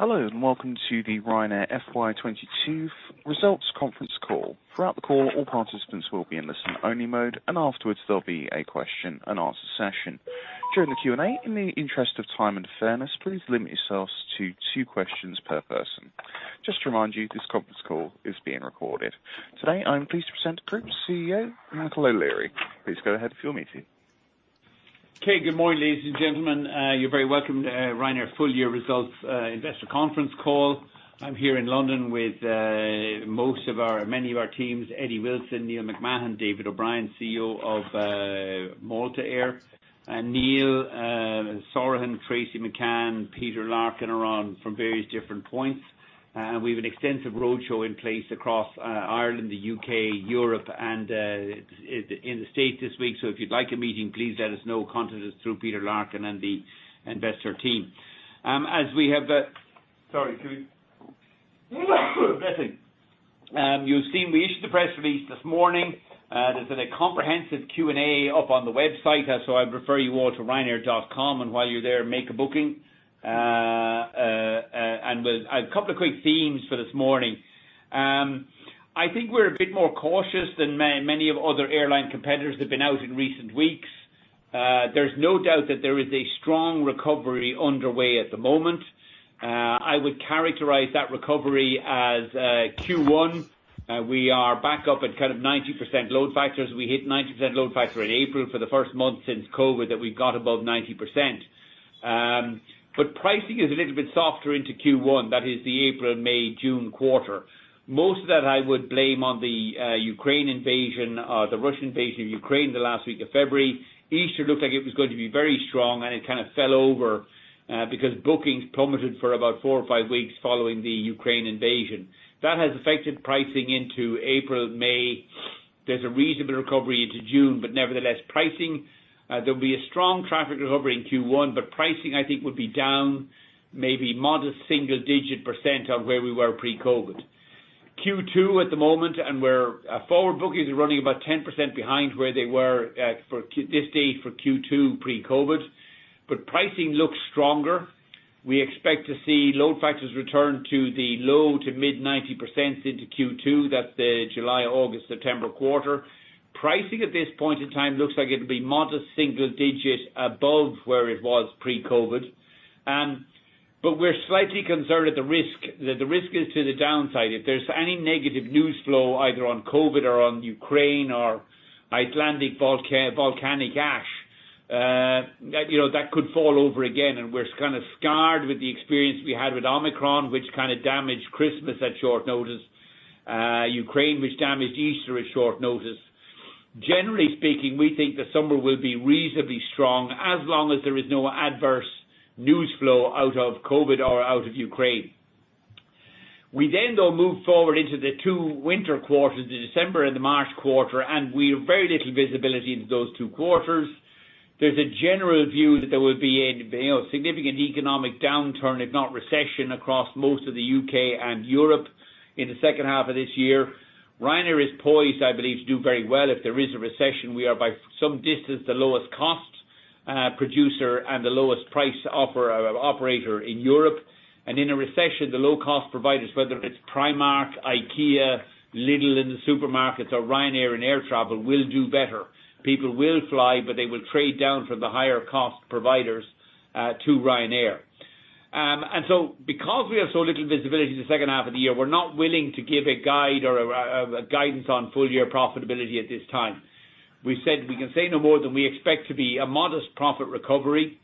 Hello, and welcome to the Ryanair FY22 results conference call. Throughout the call, all participants will be in listen only mode, and afterwards there'll be a question and answer session. During the Q&A, in the interest of time and fairness, please limit yourselves to two questions per person. Just to remind you, this conference call is being recorded. Today, I am pleased to present Group CEO, Michael O'Leary. Please go ahead with your meeting. Okay. Good morning, ladies and gentlemen. You're very welcome to Ryanair full year results investor conference call. I'm here in London with many of our teams, Eddie Wilson, Neil Sorahan, David O'Brien, CEO of Malta Air. Neil Sorahan, Tracey McCann, Peter Larkin are on from various different points. We have an extensive roadshow in place across Ireland, the U.K., Europe, and in the States this week. If you'd like a meeting, please let us know. Contact us through Peter Larkin and the investor team. You've seen we issued the press release this morning. There's been a comprehensive Q&A up on the website, so I'd refer you all to ryanair.com, and while you're there, make a booking. With a couple of quick themes for this morning. I think we're a bit more cautious than many other airline competitors that have been out in recent weeks. There's no doubt that there is a strong recovery underway at the moment. I would characterize that recovery as Q1. We are back up at kind of 90% load factors. We hit 90% load factor in April for the first month since COVID that we got above 90%. Pricing is a little bit softer into Q1. That is the April-May-June quarter. Most of that I would blame on the Ukraine invasion or the Russian invasion of Ukraine the last week of February. Easter looked like it was going to be very strong, and it kind of fell over because bookings plummeted for about four or five weeks following the Ukraine invasion. That has affected pricing into April, May. There's a reasonable recovery into June, but nevertheless pricing. There'll be a strong traffic recovery in Q1, but pricing, I think, will be down maybe modest single-digit % on where we were pre-COVID. Q2 at the moment, and our forward bookings are running about 10% behind where they were for this date for Q2 pre-COVID. Pricing looks stronger. We expect to see load factors return to the low to mid-90% into Q2. That's the July-August-September quarter. Pricing at this point in time looks like it'll be modest single digit above where it was pre-COVID. We're slightly concerned at the risk. The risk is to the downside. If there's any negative news flow, either on COVID or on Ukraine or Icelandic volcanic ash, you know, that could fall over again, and we're kind of scarred with the experience we had with Omicron, which kind of damaged Christmas at short notice, Ukraine, which damaged Easter at short notice. Generally speaking, we think the summer will be reasonably strong as long as there is no adverse news flow out of COVID or out of Ukraine. We then, though, move forward into the two winter quarters, the December and the March quarter, and we have very little visibility into those two quarters. There's a general view that there will be a you know significant economic downturn, if not recession, across most of the U.K. and Europe in the second half of this year. Ryanair is poised, I believe, to do very well if there is a recession. We are by some distance, the lowest cost producer and the lowest price offer operator in Europe. In a recession, the low cost providers, whether it's Primark, IKEA, Lidl in the supermarkets or Ryanair in air travel, will do better. People will fly, but they will trade down from the higher cost providers to Ryanair. Because we have so little visibility in the second half of the year, we're not willing to give a guide or a guidance on full year profitability at this time. We've said we can say no more than we expect to be a modest profit recovery.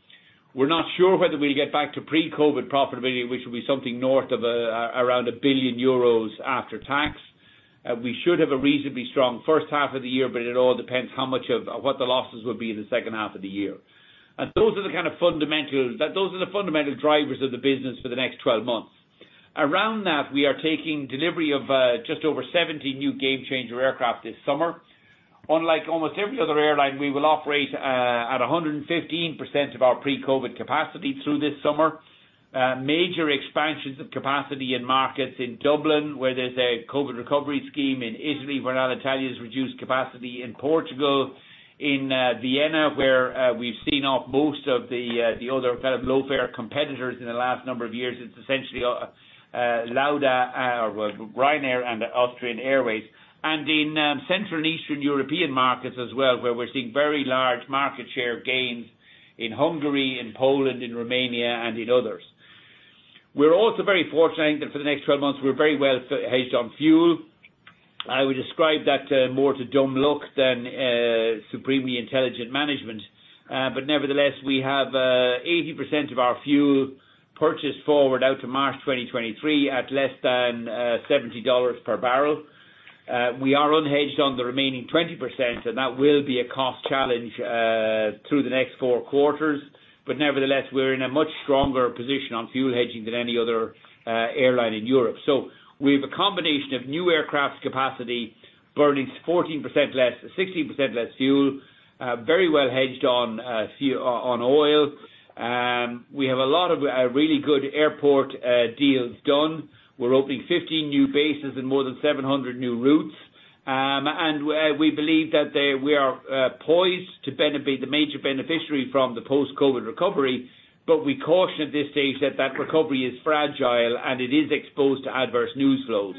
We're not sure whether we'll get back to pre-COVID profitability, which will be something north of around 1 billion euros after tax. We should have a reasonably strong first half of the year, but it all depends how much of what the losses will be in the second half of the year. Those are the fundamental drivers of the business for the next twelve months. Around that, we are taking delivery of just over 70 new game changer aircraft this summer. Unlike almost every other airline, we will operate at 115% of our pre-COVID capacity through this summer. Major expansions of capacity in markets in Dublin, where there's a COVID recovery scheme in Italy, where now ITA's reduced capacity in Portugal, in Vienna, where we've seen off most of the other kind of low-fare competitors in the last number of years. It's essentially Lauda or Ryanair and Austrian Airlines, and in Central and Eastern European markets as well, where we're seeing very large market share gains in Hungary and Poland, in Romania and in others. We're also very fortunate that for the next 12 months we're very well hedged on fuel. I would describe that more to dumb luck than supremely intelligent management. Nevertheless, we have 80% of our fuel purchased forward out to March 2023 at less than $70 per barrel. We are unhedged on the remaining 20%, and that will be a cost challenge through the next four quarters. Nevertheless, we're in a much stronger position on fuel hedging than any other airline in Europe. We've a combination of new aircraft capacity burning 14% less, 16% less fuel, very well hedged on oil. We have a lot of really good airport deals done. We're opening 15 new bases and more than 700 new routes. We believe that we are poised to be the major beneficiary from the post-COVID recovery. We caution at this stage that that recovery is fragile, and it is exposed to adverse news flows.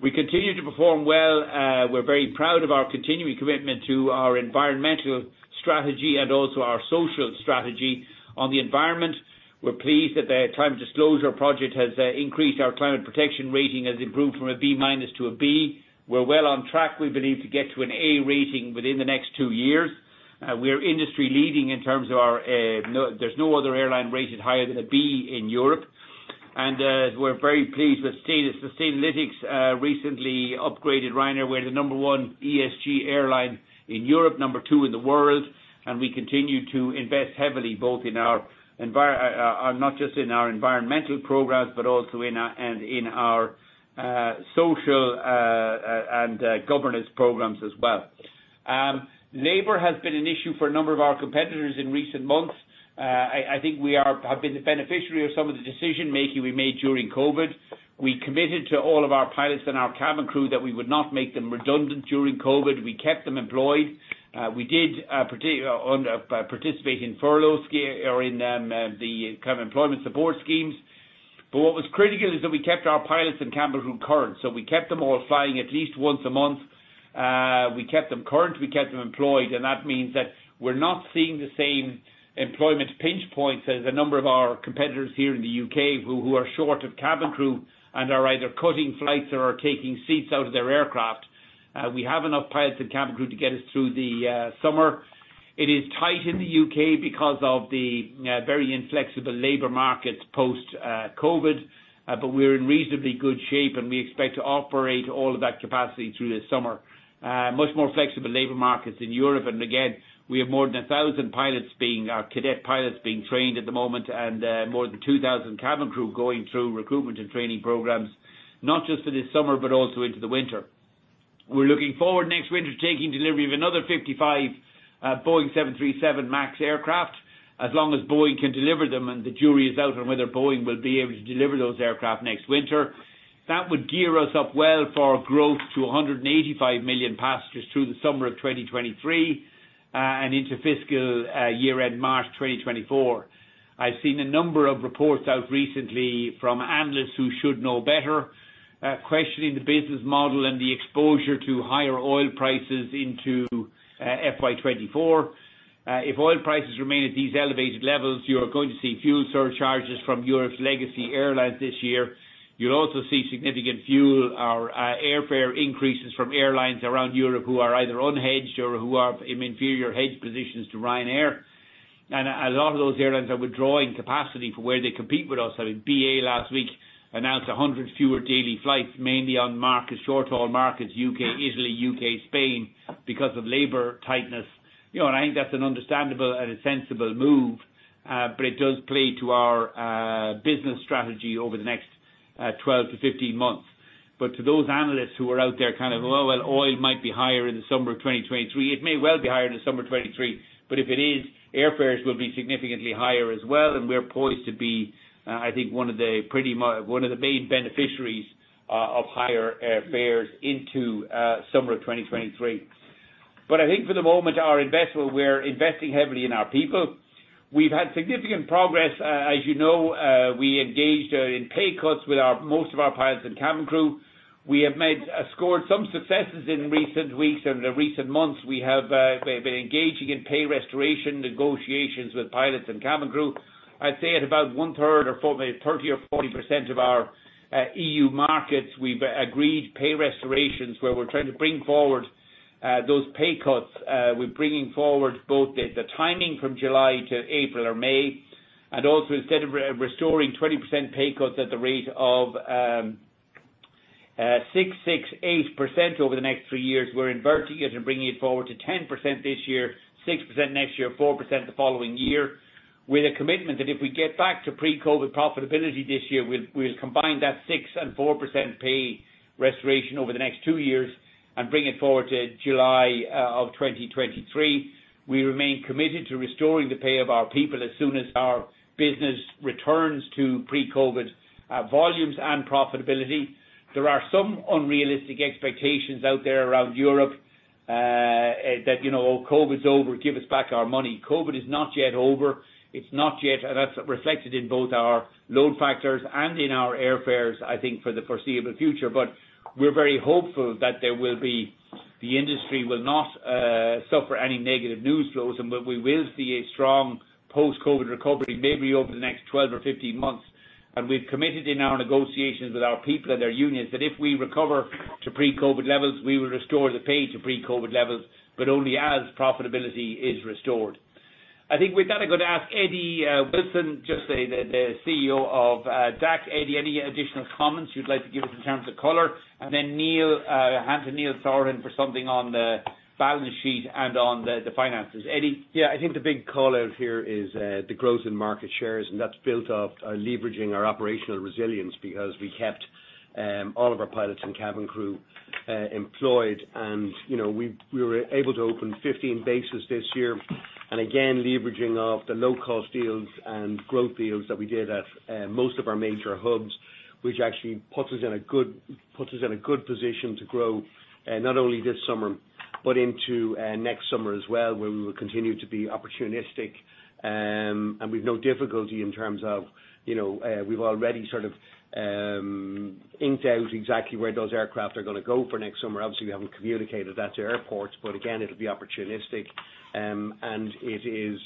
We continue to perform well. We're very proud of our continuing commitment to our environmental strategy and also our social strategy. On the environment, we're pleased that CDP has improved our climate protection rating from a B- to a B. We're well on track, we believe, to get to an 'A' rating within the next two years. We're industry-leading in terms of our. There's no other airline rated higher than a 'B' in Europe. We're very pleased with Sustainalytics recently upgraded Ryanair. We're the number one ESG airline in Europe, number two in the world, and we continue to invest heavily, not just in our environmental programs, but also in our social and governance programs as well. Labor has been an issue for a number of our competitors in recent months. I think we have been the beneficiary of some of the decision-making we made during COVID. We committed to all of our pilots and our cabin crew that we would not make them redundant during COVID. We kept them employed. We did participate in furlough or in the kind of employment support schemes. What was critical is that we kept our pilots and cabin crew current. We kept them all flying at least once a month. We kept them current, we kept them employed, and that means that we're not seeing the same employment pinch points as a number of our competitors here in the U.K. who are short of cabin crew and are either cutting flights or are taking seats out of their aircraft. We have enough pilots and cabin crew to get us through the summer. It is tight in the U.K. because of the very inflexible labor market post COVID, but we're in reasonably good shape, and we expect to operate all of that capacity through the summer. Much more flexible labor markets in Europe. Again, we have more than 1,000 cadet pilots being trained at the moment and more than 2,000 cabin crew going through recruitment and training programs, not just for this summer, but also into the winter. We're looking forward next winter to taking delivery of another 55 Boeing 737 MAX aircraft, as long as Boeing can deliver them, and the jury is out on whether Boeing will be able to deliver those aircraft next winter. That would gear us up well for growth to 185 million passengers through the summer of 2023, and into fiscal year end March 2024. I've seen a number of reports out recently from analysts who should know better, questioning the business model and the exposure to higher oil prices into FY24. If oil prices remain at these elevated levels, you're going to see fuel surcharges from Europe's legacy airlines this year. You'll also see significant fuel or airfare increases from airlines around Europe who are either unhedged or who are in inferior hedge positions to Ryanair. A lot of those airlines are withdrawing capacity for where they compete with us. I mean, BA last week announced 100 fewer daily flights, mainly on market, short-haul markets, U.K., Italy, U.K., Spain, because of labor tightness. You know, I think that's an understandable and a sensible move, but it does play to our business strategy over the next 12-15 months. To those analysts who are out there kind of, "Oh, well, oil might be higher in the summer of 2023," it may well be higher in the summer of 2023, but if it is, airfares will be significantly higher as well, and we're poised to be, I think one of the main beneficiaries of higher airfares into summer of 2023. I think for the moment, our investment, we're investing heavily in our people. We've had significant progress. As you know, we engaged in pay cuts with most of our pilots and cabin crew. We have scored some successes in recent weeks and recent months. We've been engaging in pay restoration negotiations with pilots and cabin crew. I'd say at about 1/3 or 40%, 30% or 40% of our EU markets, we've agreed pay restorations where we're trying to bring forward those pay cuts. We're bringing forward both the timing from July to April or May, and also instead of restoring 20% pay cuts at the rate of 6%-8% over the next three years, we're inverting it and bringing it forward to 10% this year, 6% next year, 4% the following year, with a commitment that if we get back to pre-COVID profitability this year, we'll combine that 6% and 4% pay restoration over the next two years and bring it forward to July 2023. We remain committed to restoring the pay of our people as soon as our business returns to pre-COVID volumes and profitability. There are some unrealistic expectations out there around Europe that, you know, "Oh, COVID's over, give us back our money." COVID is not yet over. It's not yet. That's reflected in both our load factors and in our airfares, I think, for the foreseeable future. We're very hopeful that the industry will not suffer any negative news flows and that we will see a strong post-COVID recovery maybe over the next 12 or 15 months. We've committed in our negotiations with our people and their unions that if we recover to pre-COVID levels, we will restore the pay to pre-COVID levels, but only as profitability is restored. I think with that, I'm gonna ask Eddie Wilson, just the CEO of DAC. Eddie, any additional comments you'd like to give us in terms of color? Then hand to Neil Sorahan for something on the balance sheet and on the finances. Eddie? Yeah, I think the big call-out here is the growth in market shares, and that's built off our leveraging operational resilience because we kept all of our pilots and cabin crew employed. You know, we were able to open 15 bases this year, and again, leveraging off the low-cost deals and growth deals that we did at most of our major hubs. Which actually puts us in a good position to grow not only this summer but into next summer as well, where we will continue to be opportunistic. With no difficulty in terms of you know we've already sort of inked out exactly where those aircraft are gonna go for next summer. Obviously, we haven't communicated that to airports, but again, it'll be opportunistic. It is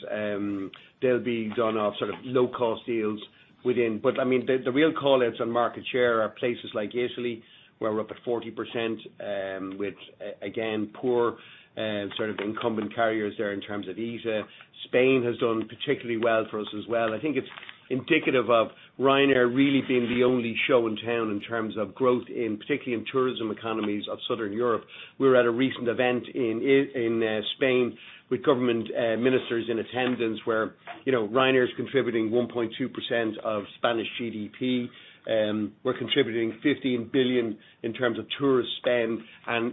they'll be done off sort of low-cost deals within. I mean, the real call-outs on market share are places like Italy, where we're up at 40% with again poor sort of incumbent carriers there in terms of ITA. Spain has done particularly well for us as well. I think it's indicative of Ryanair really being the only show in town in terms of growth in, particularly in tourism economies of Southern Europe. We were at a recent event in Spain with government ministers in attendance where, you know, Ryanair's contributing 1.2% of Spanish GDP. We're contributing 15 billion in terms of tourist spend.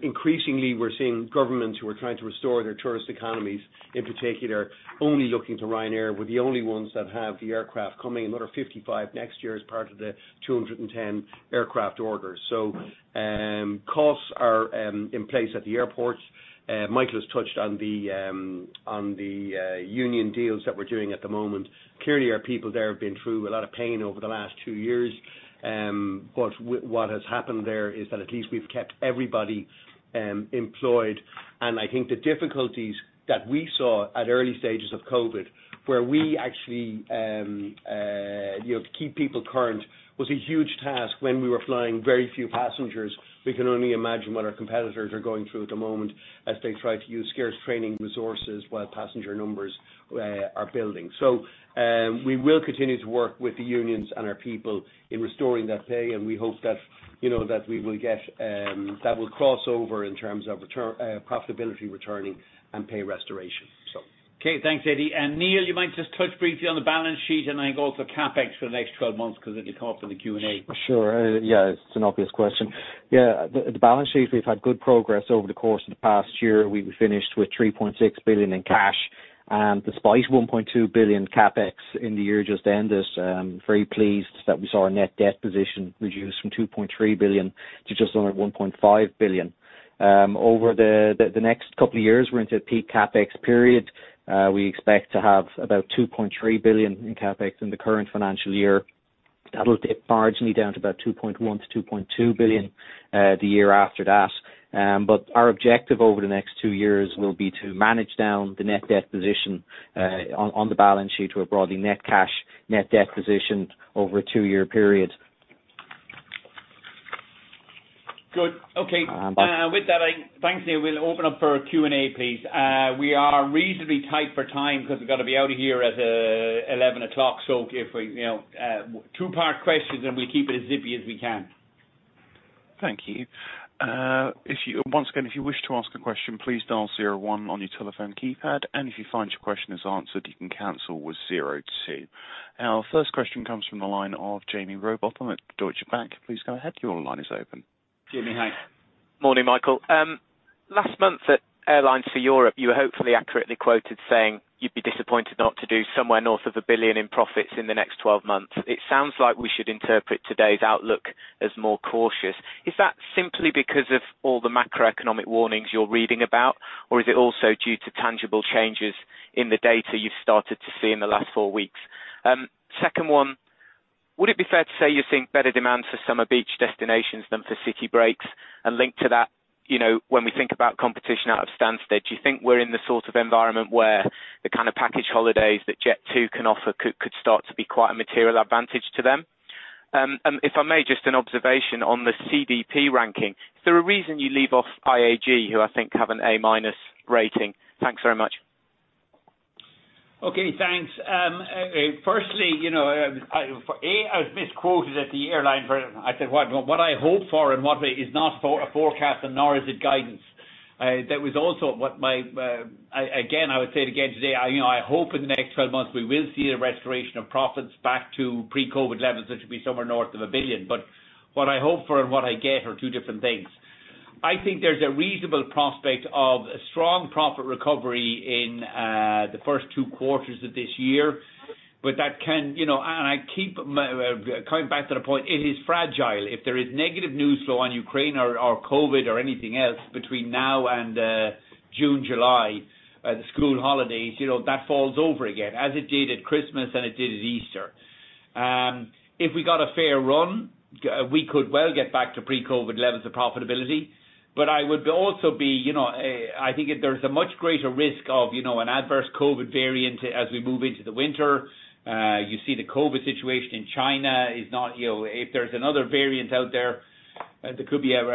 Increasingly, we're seeing governments who are trying to restore their tourist economies, in particular, only looking to Ryanair. We're the only ones that have the aircraft coming. Another 55 next year as part of the 210 aircraft order. Costs are in place at the airports. Michael has touched on the union deals that we're doing at the moment. Clearly, our people there have been through a lot of pain over the last two years. What has happened there is that at least we've kept everybody employed. I think the difficulties that we saw at early stages of COVID, where we actually, you know, to keep people current, was a huge task when we were flying very few passengers. We can only imagine what our competitors are going through at the moment as they try to use scarce training resources while passenger numbers are building. We will continue to work with the unions and our people in restoring that pay, and we hope that, you know, that we will get, that will cross over in terms of return, profitability returning and pay restoration. Okay. Thanks, Eddie. Neil, you might just touch briefly on the balance sheet and I think also CapEx for the next 12 months because it'll be caught in the Q&A. Sure. Yeah, it's an obvious question. Yeah. The balance sheet, we've had good progress over the course of the past year. We've finished with 3.6 billion in cash. Despite 1.2 billion CapEx in the year just ended, very pleased that we saw our net debt position reduced from 2.3 billion to just under 1.5 billion. Over the next couple of years, we're into a peak CapEx period. We expect to have about 2.3 billion in CapEx in the current financial year. That'll dip marginally down to about 2.1 billion-2.2 billion, the year after that. Our objective over the next two years will be to manage down the net debt position on the balance sheet to a broadly net cash net debt position over a two-year period. Good. Okay. With that, thanks, Neil. We'll open up for Q&A, please. We are reasonably tight for time because we've got to be out of here at 11 o'clock. If we, you know, two-part questions, and we'll keep it as zippy as we can. Thank you. Once again, if you wish to ask a question, please dial zero one on your telephone keypad. If you find your question is answered, you can cancel with zero two. Our first question comes from the line of Jaime Rowbotham at Deutsche Bank. Please go ahead. Your line is open. Jaime, hi. Morning, Michael. Last month at Airlines for Europe, you were hopefully accurately quoted saying you'd be disappointed not to do somewhere north of 1 billion in profits in the next 12 months. It sounds like we should interpret today's outlook as more cautious. Is that simply because of all the macroeconomic warnings you're reading about, or is it also due to tangible changes in the data you've started to see in the last four weeks? Second one, would it be fair to say you think better demand for summer beach destinations than for city breaks and linked to that, you know, when we think about competition out of Stansted. Do you think we're in the sort of environment where the kind of package holidays that Jet2 can offer could start to be quite a material advantage to them? If I may just an observation on the CDP ranking. Is there a reason you leave off IAG, who I think have an 'A-' rating? Thanks very much. Okay, thanks. Firstly, you know, I was misquoted at Airlines for Europe. I said, what I hope for and what is not a forecast nor is it guidance. That was also what I would say again today. You know, I hope in the next 12 months we will see a restoration of profits back to pre-COVID levels, that should be somewhere north of 1 billion. What I hope for and what I get are two different things. I think there's a reasonable prospect of a strong profit recovery in the first two quarters of this year. That can, you know, and I keep coming back to the point, it is fragile. If there is negative news flow on Ukraine or COVID or anything else between now and June, July, the school holidays, you know, that falls over again, as it did at Christmas and it did at Easter. If we got a fair run, we could well get back to pre-COVID levels of profitability. I would also be, you know, I think there's a much greater risk of, you know, an adverse COVID variant as we move into the winter. You see the COVID situation in China is not, you know, if there's another variant out there could be a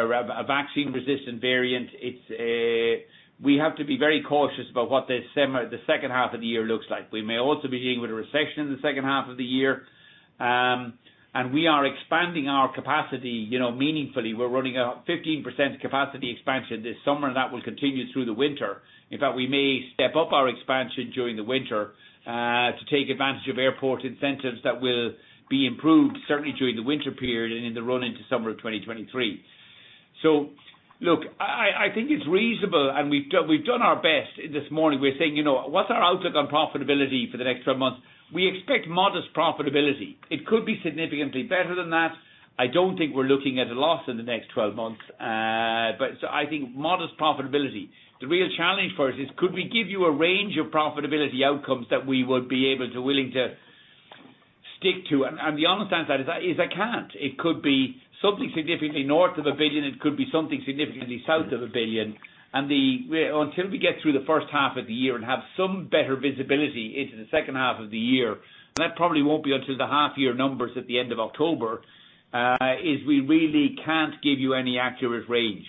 vaccine-resistant variant. It's, we have to be very cautious about what the second half of the year looks like. We may also be dealing with a recession in the second half of the year. We are expanding our capacity, you know, meaningfully. We're running a 15% capacity expansion this summer. That will continue through the winter. In fact, we may step up our expansion during the winter to take advantage of airport incentives that will be improved certainly during the winter period and in the run into summer of 2023. Look, I think it's reasonable and we've done our best this morning. We're saying, you know, what's our outlook on profitability for the next 12 months? We expect modest profitability. It could be significantly better than that. I don't think we're looking at a loss in the next 12 months. I think modest profitability. The real challenge for us is could we give you a range of profitability outcomes that we would be able to, willing to stick to? The honest answer to that is I can't. It could be something significantly north of 1 billion, it could be something significantly south of 1 billion. Until we get through the first half of the year and have some better visibility into the second half of the year, and that probably won't be until the half year numbers at the end of October, so we really can't give you any accurate range.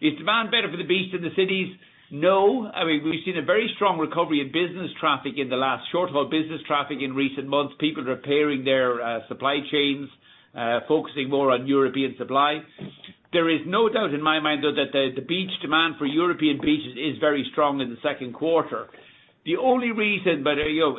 Is demand better for the beach than the cities? No. I mean, we've seen a very strong recovery in business traffic in the last quarter in recent months. People repairing their supply chains, focusing more on European supply. There is no doubt in my mind, though, that the beach demand for European beaches is very strong in the second quarter. The only reason, you know,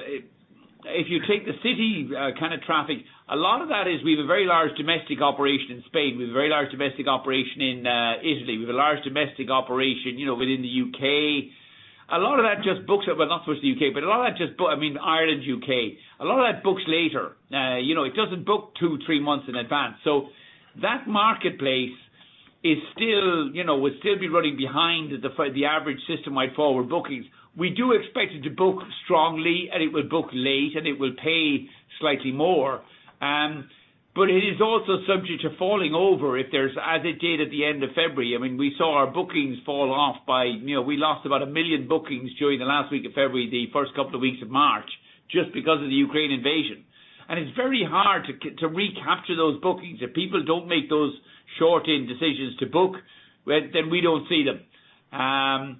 if you take the city kind of traffic, a lot of that is we have a very large domestic operation in Spain. We have a very large domestic operation in Italy. We have a large domestic operation, you know, within the U.K.. A lot of that just books up. Well, not so much the U.K., but a lot of that just, I mean, Ireland, U.K.. A lot of that books later. You know, it doesn't book two, three months in advance. That marketplace is still, you know, will still be running behind the average system-wide forward bookings. We do expect it to book strongly and it will book late, and it will pay slightly more. It is also subject to falling off if there's, as it did at the end of February, I mean, we saw our bookings fall off by, you know, we lost about 1 million bookings during the last week of February, the first couple of weeks of March just because of the Ukraine invasion. It's very hard to recapture those bookings. If people don't make those short-term decisions to book, well, then we don't see them.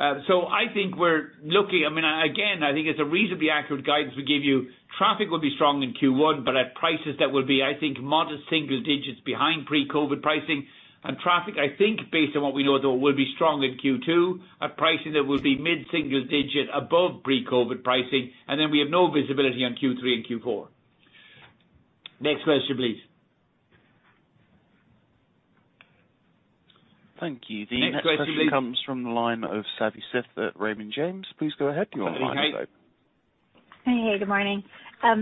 I think we're looking. I mean, again, I think it's a reasonably accurate guidance we give you. Traffic will be strong in Q1, but at prices that will be, I think, modest single-digit behind pre-COVID pricing. Traffic, I think based on what we know, though, will be strong in Q2 at pricing that will be mid-single-digit above pre-COVID pricing. We have no visibility on Q3 and Q4. Next question, please. Thank you. The next question comes from the line of Savanthi Syth at Raymond James. Please go ahead. You're on line, Savanthi. Good morning. Hey. Good morning.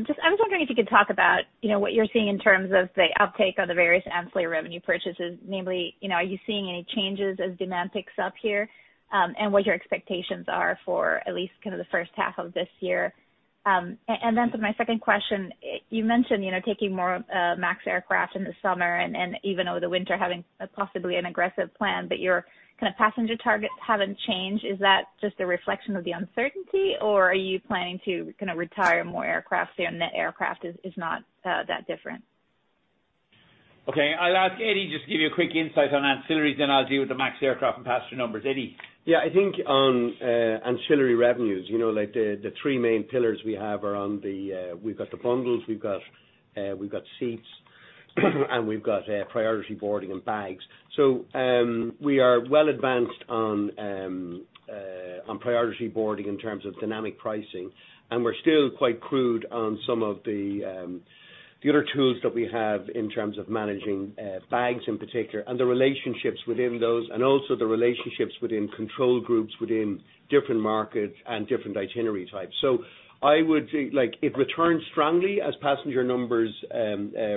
Just I was wondering if you could talk about, you know, what you're seeing in terms of the uptake on the various ancillary revenue purchases. Namely, you know, are you seeing any changes as demand picks up here, and what your expectations are for at least kind of the first half of this year? And then for my second question, you mentioned, you know, taking more MAX aircraft in the summer and even over the winter having possibly an aggressive plan, but your kind of passenger targets haven't changed. Is that just a reflection of the uncertainty or are you planning to kinda retire more aircrafts there? Net aircraft is not that different. Okay. I'll ask Eddie just to give you a quick insight on ancillaries, then I'll deal with the MAX aircraft and passenger numbers. Eddie? Yeah. I think on ancillary revenues, you know, like the three main pillars we have are the bundles, seats, and priority boarding and bags. We are well advanced on priority boarding in terms of dynamic pricing, and we're still quite crude on some of the other tools that we have in terms of managing bags in particular and the relationships within those, and also the relationships within control groups within different markets and different itinerary types. I would say, like, it returns strongly as passenger numbers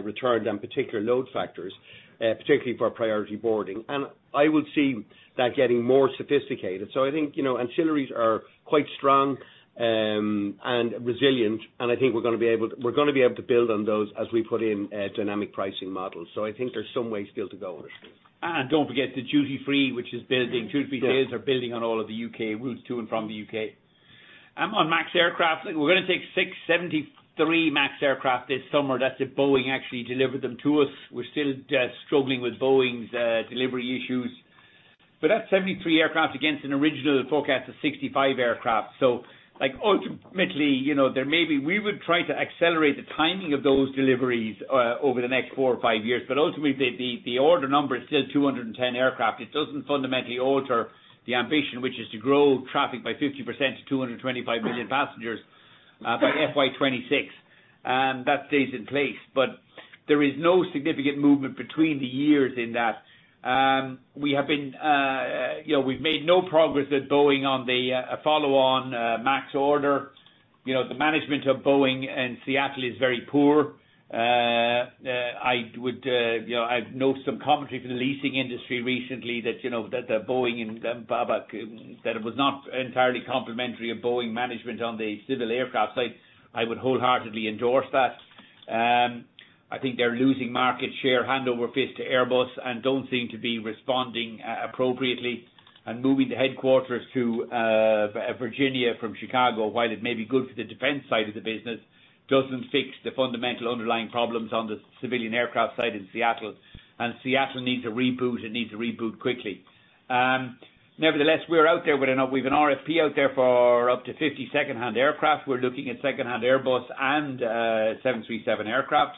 return on particular load factors, particularly for priority boarding. I would see that getting more sophisticated. I think, you know, ancillaries are quite strong, and resilient, and I think we're gonna be able to build on those as we put in a dynamic pricing model. I think there's some way still to go on this. Don't forget the duty-free, which is building. Duty-free sales are building on all of the U.K. routes to and from the U.K.. On MAX aircraft, we're gonna take 67-73 MAX aircraft this summer. That's if Boeing actually delivered them to us. We're still struggling with Boeing's delivery issues. That's 73 aircraft against an original forecast of 65 aircraft. Like, ultimately, you know, we would try to accelerate the timing of those deliveries over the next four or five years. Ultimately, the order number is still 210 aircraft. It doesn't fundamentally alter the ambition, which is to grow traffic by 50% to 225 million passengers by FY26. That stays in place. There is no significant movement between the years in that. We have been, you know, we've made no progress at Boeing on the follow on MAX order. You know, the management of Boeing and Seattle is very poor. I would, you know, I've noticed some commentary from the leasing industry recently that, you know, that the Boeing and Babcock said it was not entirely complimentary of Boeing management on the civil aircraft side. I would wholeheartedly endorse that. I think they're losing market share hand over fist to Airbus and don't seem to be responding appropriately. Moving the headquarters to Virginia from Chicago, while it may be good for the defense side of the business, doesn't fix the fundamental underlying problems on the civilian aircraft side in Seattle. Seattle needs a reboot. It needs a reboot quickly. Nevertheless, we have an RFP out there for up to 50 secondhand aircraft. We're looking at secondhand Airbus and 737 aircraft.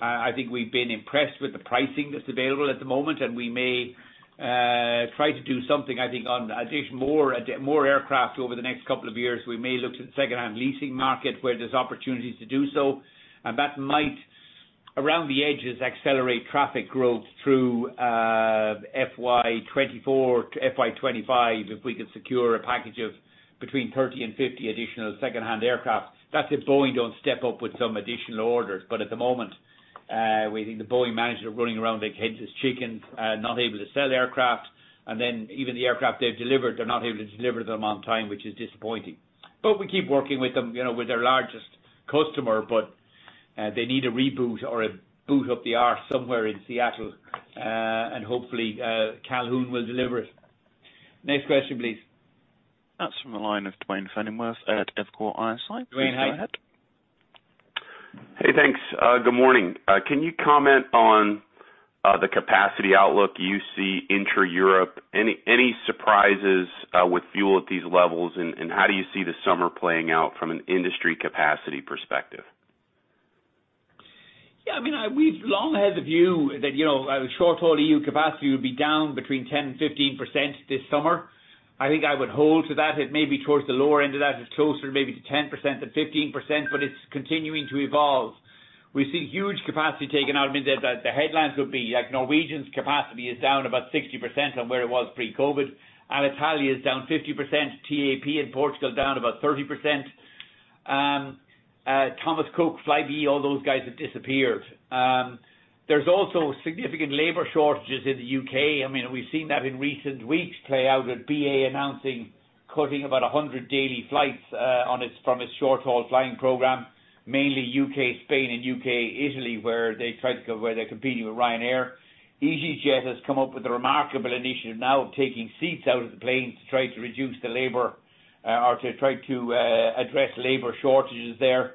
I think we've been impressed with the pricing that's available at the moment, and we may do something. I think in addition more aircraft over the next couple of years. We may look to the secondhand leasing market where there's opportunities to do so. That might, around the edges, accelerate traffic growth through FY24 to FY25, if we could secure a package of between 30 and 50 additional secondhand aircraft. That's if Boeing don't step up with some additional orders. At the moment, we think the Boeing management are running around like headless chickens, not able to sell aircraft. Then even the aircraft they've delivered, they're not able to deliver them on time, which is disappointing. We keep working with them, you know, we're their largest customer, but they need a reboot or a boot up the arse somewhere in Seattle. Hopefully, Calhoun will deliver it. Next question, please. That's from the line of Duane Pfennigwerth at Evercore ISI. Go ahead. Duane, hi. Hey, thanks. Good morning. Can you comment on the capacity outlook you see intra-Europe? Any surprises with fuel at these levels? How do you see the summer playing out from an industry capacity perspective? Yeah, I mean, we've long had the view that, you know, the short-haul EU capacity will be down between 10%-15% this summer. I think I would hold to that. It may be towards the lower end of that. It's closer maybe to 10% than 15%, but it's continuing to evolve. We see huge capacity taken out, I mean, the headlines would be like Norwegian's capacity is down about 60% on where it was pre-COVID. Alitalia is down 50%. TAP in Portugal down about 30%. Thomas Cook, Flybe, all those guys have disappeared. There's also significant labor shortages in the U.K. I mean, we've seen that in recent weeks play out with BA announcing cutting about 100 daily flights from its short-haul flying program. Mainly U.K.-Spain and U.K.-Italy, where they try to go where they're competing with Ryanair. easyJet has come up with a remarkable initiative now of taking seats out of the planes to try to reduce the labor or to address labor shortages there.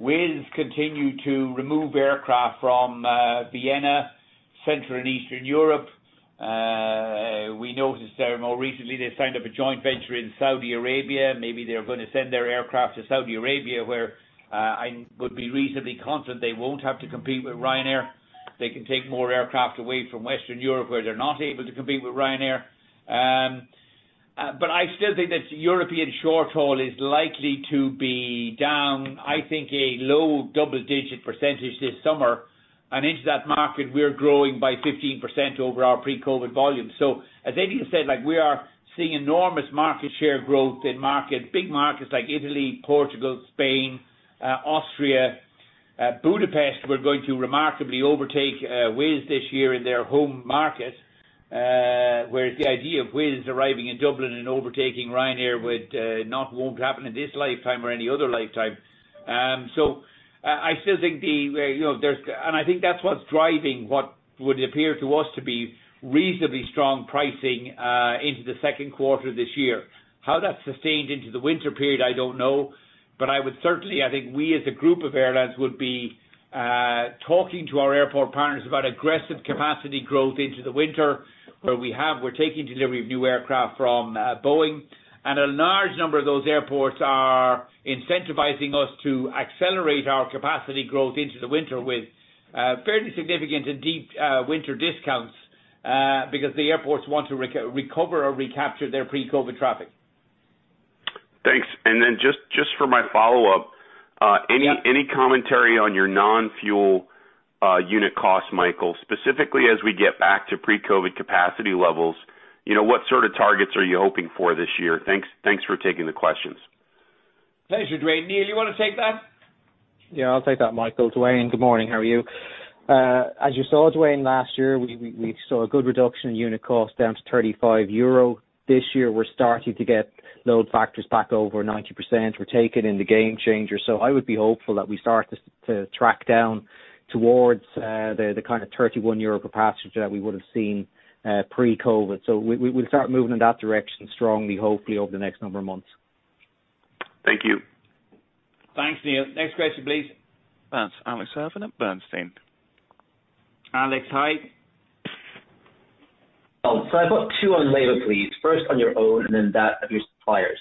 Wizz continue to remove aircraft from Vienna, Central and Eastern Europe. We noticed there more recently they signed up a joint venture in Saudi Arabia. Maybe they're gonna send their aircraft to Saudi Arabia, where I would be reasonably confident they won't have to compete with Ryanair. They can take more aircraft away from Western Europe, where they're not able to compete with Ryanair. I still think that European short-haul is likely to be down, I think a low double-digit percent this summer. Into that market, we're growing by 15% over our pre-COVID volumes. As Eddie has said, like we are seeing enormous market share growth in markets, big markets like Italy, Portugal, Spain, Austria. Budapest, we're going to remarkably overtake Wizz this year in their home market, whereas the idea of Wizz arriving in Dublin and overtaking Ryanair won't happen in this lifetime or any other lifetime. I think that's what's driving what would appear to us to be reasonably strong pricing into the second quarter this year. How that's sustained into the winter period, I don't know. I would certainly, I think we, as a group of airlines, would be talking to our airport partners about aggressive capacity growth into the winter, where we're taking delivery of new aircraft from Boeing. A large number of those airports are incentivizing us to accelerate our capacity growth into the winter with fairly significant and deep winter discounts, because the airports want to recover or recapture their pre-COVID traffic. Thanks. Just for my follow-up. Yeah. Any commentary on your non-fuel unit cost, Michael? Specifically as we get back to pre-COVID capacity levels, you know, what sort of targets are you hoping for this year? Thanks for taking the questions. Pleasure, Duane. Neil, you wanna take that? Yeah, I'll take that, Michael. Duane, good morning. How are you? As you saw, Duane, last year, we saw a good reduction in unit cost down to EUR 35. This year, we're starting to get load factors back over 90%. We're taking in the Boeing 737-8200. I would be hopeful that we start to track down towards the kind of 31 euro per passenger that we would've seen pre-COVID. We'll start moving in that direction strongly, hopefully, over the next number of months. Thank you. Thanks, Neil. Next question, please. That's Alex Irving at Bernstein. Alex, hi. Oh, I've got two on labor please. First on your own and then that of your suppliers.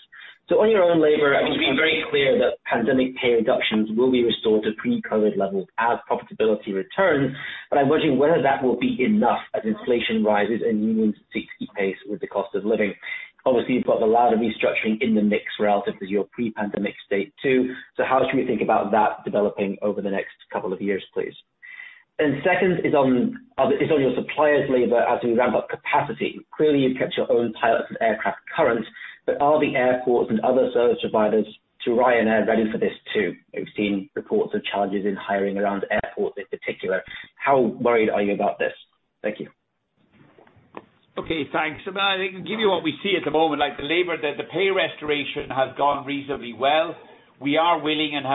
On your own labor, I mean, you've been very clear that pandemic pay reductions will be restored to pre-COVID levels as profitability returns, but I'm wondering whether that will be enough as inflation rises and unions seek to keep pace with the cost of living. Obviously, you've got a lot of restructuring in the mix relative to your pre-pandemic state too. How should we think about that developing over the next couple of years, please? Second is on your suppliers' labor as we ramp up capacity. Clearly, you've kept your own pilots and aircraft current, but are the airports and other service providers to Ryanair ready for this too? We've seen reports of challenges in hiring around airports in particular. How worried are you about this? Thank you. Okay, thanks. I think to give you what we see at the moment, like the labor, the pay restoration has gone reasonably well. We are willing and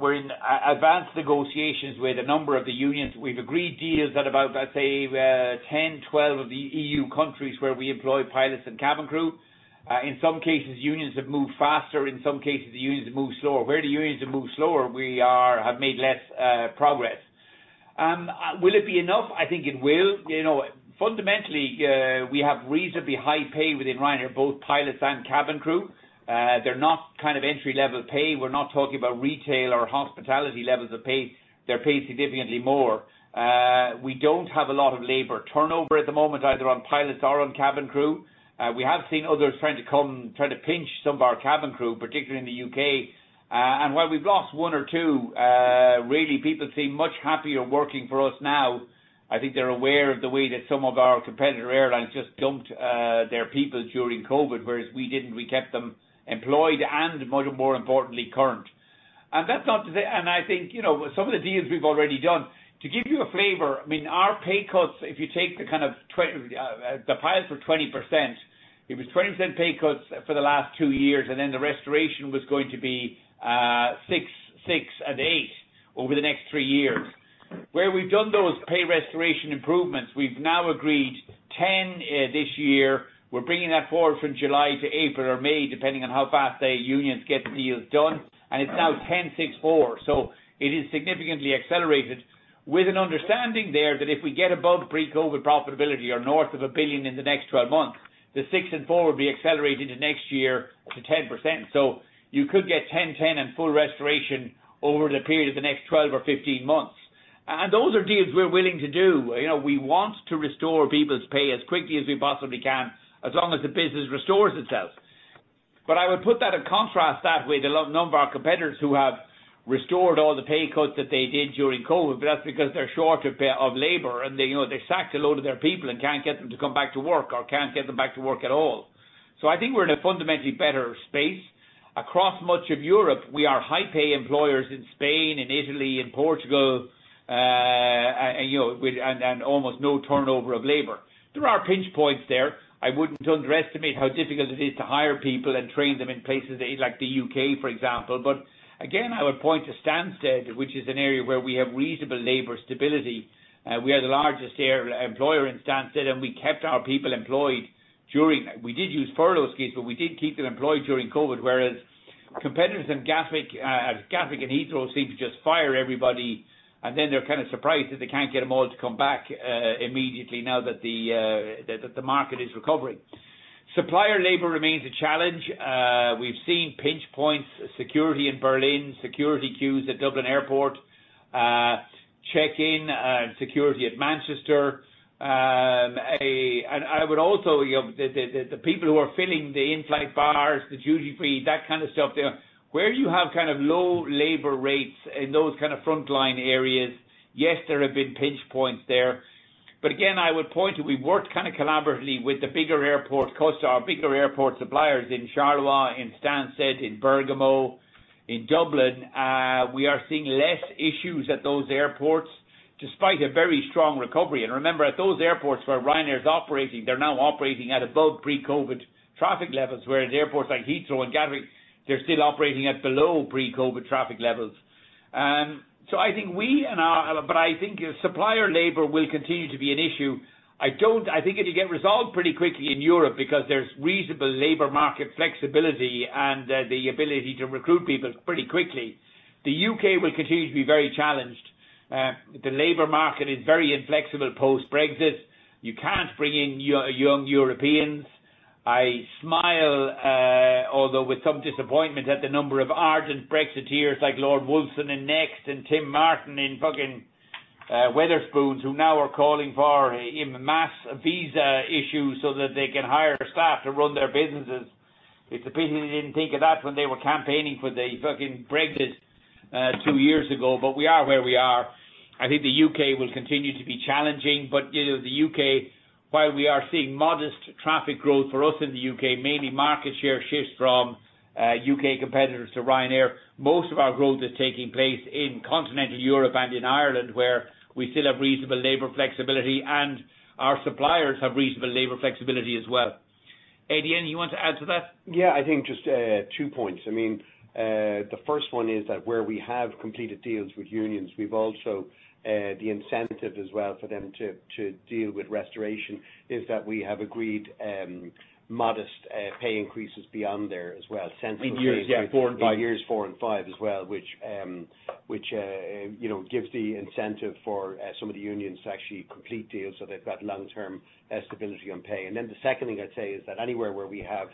we're in advanced negotiations with a number of the unions. We've agreed deals at about, let's say, 10, 12 of the EU countries where we employ pilots and cabin crew. In some cases, unions have moved faster. In some cases, the unions have moved slower. Where the unions have moved slower, we have made less progress. Will it be enough? I think it will. You know, fundamentally, we have reasonably high pay within Ryanair, both pilots and cabin crew. They're not kind of entry-level pay. We're not talking about retail or hospitality levels of pay. They're paid significantly more. We don't have a lot of labor turnover at the moment, either on pilots or on cabin crew. We have seen others try to pinch some of our cabin crew, particularly in the U.K.. While we've lost one or two, really people seem much happier working for us now. I think they're aware of the way that some of our competitor airlines just dumped their people during COVID, whereas we didn't. We kept them employed and much more importantly, current. That's not to say. I think, you know, some of the deals we've already done. To give you a flavor, I mean, our pay cuts, if you take the kind of, the pilots were 20%. It was 20% pay cuts for the last two years, and then the restoration was going to be six and eight over the next three years. Where we've done those pay restoration improvements, we've now agreed 10 this year. We're bringing that forward from July to April or May, depending on how fast the unions get deals done. It's now 10, six, four. It is significantly accelerated with an understanding there that if we get above pre-COVID profitability or north of 1 billion in the next 12 months, the six and four will be accelerated to next year to 10%. You could get 10/10 and full restoration over the period of the next 12 or 15 months. Those are deals we're willing to do. You know, we want to restore people's pay as quickly as we possibly can, as long as the business restores itself. I would put that in contrast with a low number of our competitors who have restored all the pay cuts that they did during COVID, but that's because they're short of labor and, you know, they sacked a load of their people and can't get them to come back to work or can't get them back to work at all. I think we're in a fundamentally better space. Across much of Europe, we are high pay employers in Spain and Italy and Portugal, and, you know, with almost no turnover of labor. There are pinch points there. I wouldn't underestimate how difficult it is to hire people and train them in places like the U.K., for example. Again, I would point to Stansted, which is an area where we have reasonable labor stability. We are the largest air employer in Stansted, and we kept our people employed during COVID. We did use furlough schemes, but we did keep them employed during COVID, whereas competitors in Gatwick and Heathrow seem to just fire everybody, and then they're kinda surprised that they can't get them all to come back immediately now that the market is recovering. Supplier labor remains a challenge. We've seen pinch points, security in Berlin, security queues at Dublin Airport, check-in, security at Manchester. I would also, you know, the people who are filling the in-flight bars, the duty free, that kind of stuff there. Where you have kind of low labor rates in those kind of frontline areas, yes, there have been pinch points there. Again, I would point to we worked kinda collaboratively with the bigger airport or bigger airport suppliers in Charleroi, in Stansted, in Bergamo, in Dublin. We are seeing less issues at those airports despite a very strong recovery. Remember, at those airports where Ryanair is operating, they're now operating at above pre-COVID traffic levels, whereas airports like Heathrow and Gatwick, they're still operating at below pre-COVID traffic levels. I think supplier labor will continue to be an issue. I think it'll get resolved pretty quickly in Europe because there's reasonable labor market flexibility and the ability to recruit people pretty quickly. The U.K. will continue to be very challenged. The labor market is very inflexible post-Brexit. You can't bring in young Europeans. I smile, although with some disappointment at the number of ardent Brexiteers like Lord Wolfson in Next and Tim Martin in fucking Wetherspoons, who now are calling for en masse visa issues so that they can hire staff to run their businesses. It's a pity they didn't think of that when they were campaigning for the fucking Brexit two years ago. We are where we are. I think the U.K. will continue to be challenging. You know, the U.K., while we are seeing modest traffic growth for us in the U.K., mainly market share shifts from U.K. competitors to Ryanair. Most of our growth is taking place in Continental Europe and in Ireland, where we still have reasonable labor flexibility and our suppliers have reasonable labor flexibility as well. Eddie, you want to add to that? Yeah, I think just two points. I mean, the first one is that where we have completed deals with unions, we've also the incentive as well for them to deal with restoration is that we have agreed modest pay increases beyond there as well since. In years, yeah. Four and five. In years four and five as well, which you know gives the incentive for some of the unions to actually complete deals so they've got long-term stability on pay. Then the second thing I'd say is that anywhere where we have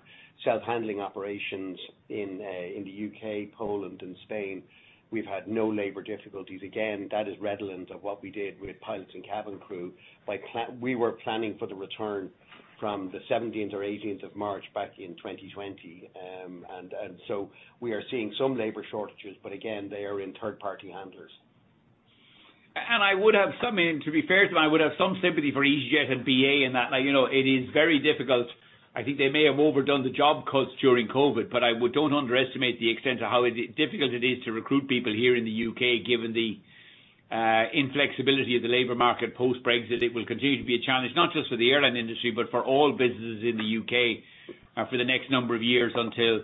self-handling operations in the U.K., Poland and Spain, we've had no labor difficulties. Again, that is redolent of what we did with pilots and cabin crew. We were planning for the return from the 17th or 18th of March back in 2020. So we are seeing some labor shortages. But again, they are in third-party handlers. To be fair to them, I would have some sympathy for easyJet and BA in that. You know, it is very difficult. I think they may have overdone the job cuts during COVID, but don't underestimate the extent of how difficult it is to recruit people here in the U.K., given the inflexibility of the labor market post-Brexit. It will continue to be a challenge not just for the airline industry, but for all businesses in the U.K., for the next number of years, until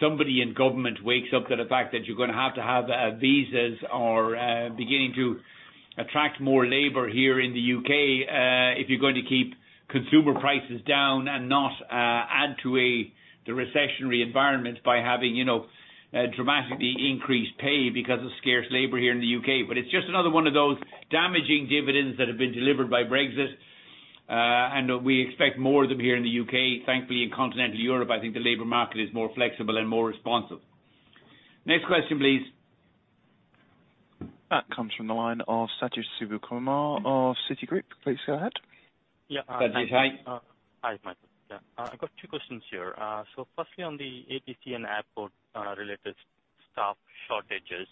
somebody in government wakes up to the fact that you're gonna have to have visas or beginning to attract more labor here in the U.K., if you're going to keep consumer prices down and not add to the recessionary environment by having, you know, dramatically increased pay because of scarce labor here in the U.K.. It's just another one of those damaging dividends that have been delivered by Brexit. We expect more of them here in the U.K.. Thankfully in continental Europe, I think the labor market is more flexible and more responsive. Next question, please. That comes from the line of Sathish Sivakumar of Citigroup. Please go ahead. Yeah. Sathish, hi. Hi, Michael. Yeah. I've got two questions here. So firstly, on the ATC and airport related staff shortages,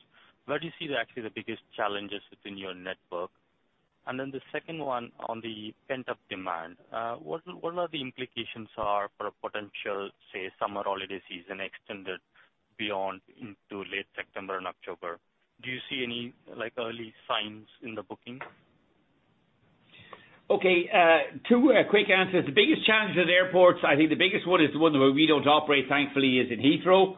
where do you see actually the biggest challenges within your network? Then the second one, on the pent-up demand, what are the implications are for a potential, say, summer holiday season extended beyond into late September and October? Do you see any, like, early signs in the bookings? Okay, two quick answers. The biggest challenges at airports, I think the biggest one is the one where we don't operate, thankfully, is in Heathrow.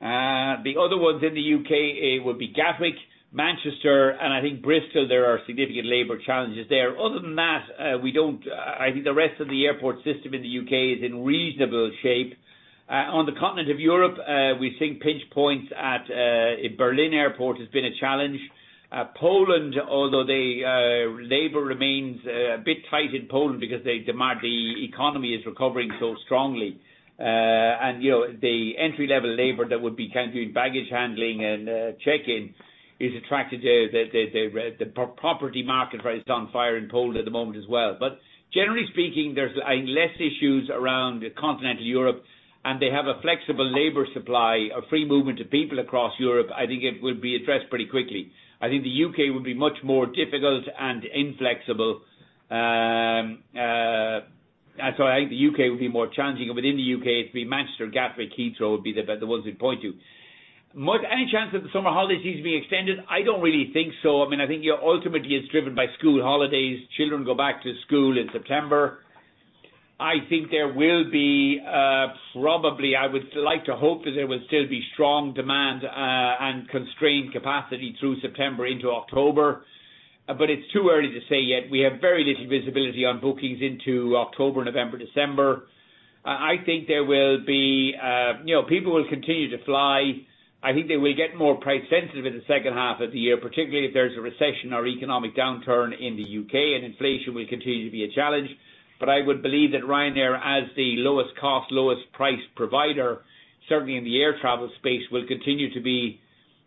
The other ones in the U.K., it would be Gatwick, Manchester, and I think Bristol, there are significant labor challenges there. Other than that, I think the rest of the airport system in the U.K. is in reasonable shape. On the continent of Europe, we're seeing pinch points at, in Berlin Airport has been a challenge. Poland, although they, labor remains, a bit tight in Poland because they demand the economy is recovering so strongly. You know, the entry-level labor that would be kind of doing baggage handling and check-in is attracted to the property market where it's on fire in Poland at the moment as well. Generally speaking, there's I think less issues around continental Europe, and they have a flexible labor supply of free movement to people across Europe. I think it would be addressed pretty quickly. I think the U.K. would be much more difficult and inflexible. I think the U.K. would be more challenging. Within the U.K., it'd be Manchester, Gatwick, Heathrow would be the ones we'd point to. Any chance that the summer holiday is being extended? I don't really think so. I mean, I think you're ultimately it's driven by school holidays. Children go back to school in September. I think there will be probably. I would like to hope that there will still be strong demand and constrained capacity through September into October, but it's too early to say yet. We have very little visibility on bookings into October, November, December. I think there will be, you know, people will continue to fly. I think they will get more price-sensitive in the second half of the year, particularly if there's a recession or economic downturn in the U.K. and inflation will continue to be a challenge. But I would believe that Ryanair, as the lowest cost, lowest price provider, certainly in the air travel space, will continue to be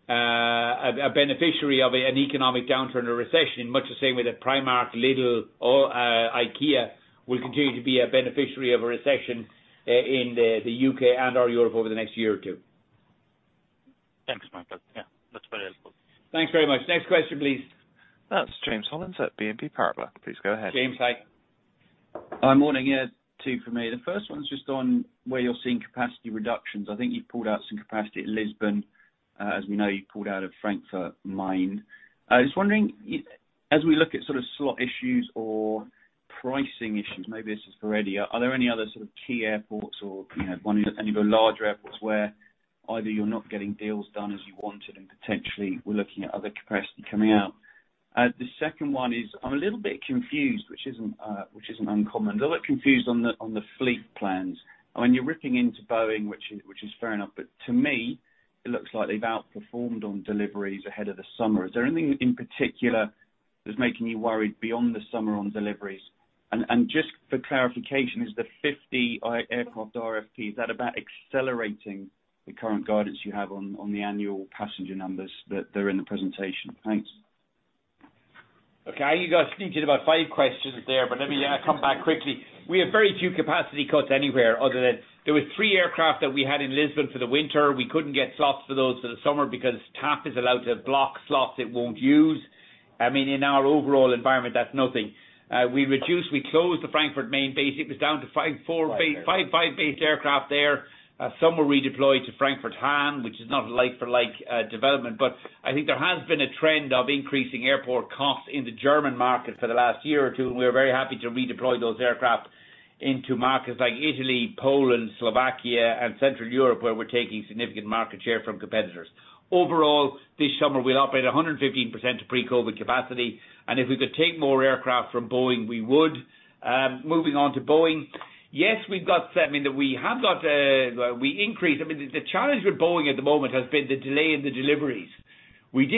a beneficiary of an economic downturn or recession. Much the same way that Primark, Lidl or IKEA will continue to be a beneficiary of a recession in the U.K. and/or Europe over the next year or two. Thanks, Michael. Yeah, that's very helpful. Thanks very much. Next question, please. That's James Hollins at BNP Paribas. Please go ahead. James, hi. Morning. Yeah, two from me. The first one's just on where you're seeing capacity reductions. I think you've pulled out some capacity at Lisbon. As we know, you pulled out of Frankfurt-Hahn. I was wondering as we look at sort of slot issues or pricing issues, maybe this is for Eddie, are there any other sort of key airports or, you know, any of the larger airports where either you're not getting deals done as you wanted and potentially we're looking at other capacity coming out? The second one is, I'm a little bit confused, which isn't uncommon. I'm a little bit confused on the fleet plans. I mean, you're ripping into Boeing, which is fair enough, but to me it looks like they've outperformed on deliveries ahead of the summer. Is there anything in particular that's making you worried beyond the summer on deliveries? Just for clarification, is the 50 aircraft RFP, is that about accelerating the current guidance you have on the annual passenger numbers that are in the presentation? Thanks. Okay. You guys sneaked in about five questions there, but let me come back quickly. We have very few capacity cuts anywhere other than there were three aircraft that we had in Lisbon for the winter. We couldn't get slots for those for the summer because TAP is allowed to block slots it won't use. I mean, in our overall environment, that's nothing. We reduced, we closed the Frankfurt Main base. It was down to five, four base. Five-based aircraft there. Some were redeployed to Frankfurt-Hahn, which is not a like for like development. I think there has been a trend of increasing airport costs in the German market for the last year or two, and we're very happy to redeploy those aircraft into markets like Italy, Poland, Slovakia and Central Europe, where we're taking significant market share from competitors. Overall, this summer we'll operate 115% of pre-COVID capacity, and if we could take more aircraft from Boeing, we would. Moving on to Boeing. The challenge with Boeing at the moment has been the delay in the deliveries. We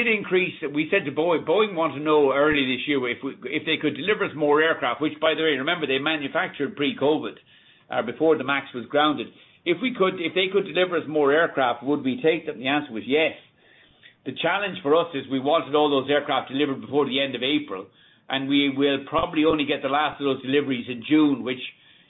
said to Boeing wanted to know early this year if they could deliver us more aircraft, which by the way, remember, they manufactured pre-COVID, before the MAX was grounded. Would we take them? The answer was yes. The challenge for us is we wanted all those aircraft delivered before the end of April, and we will probably only get the last of those deliveries in June, which,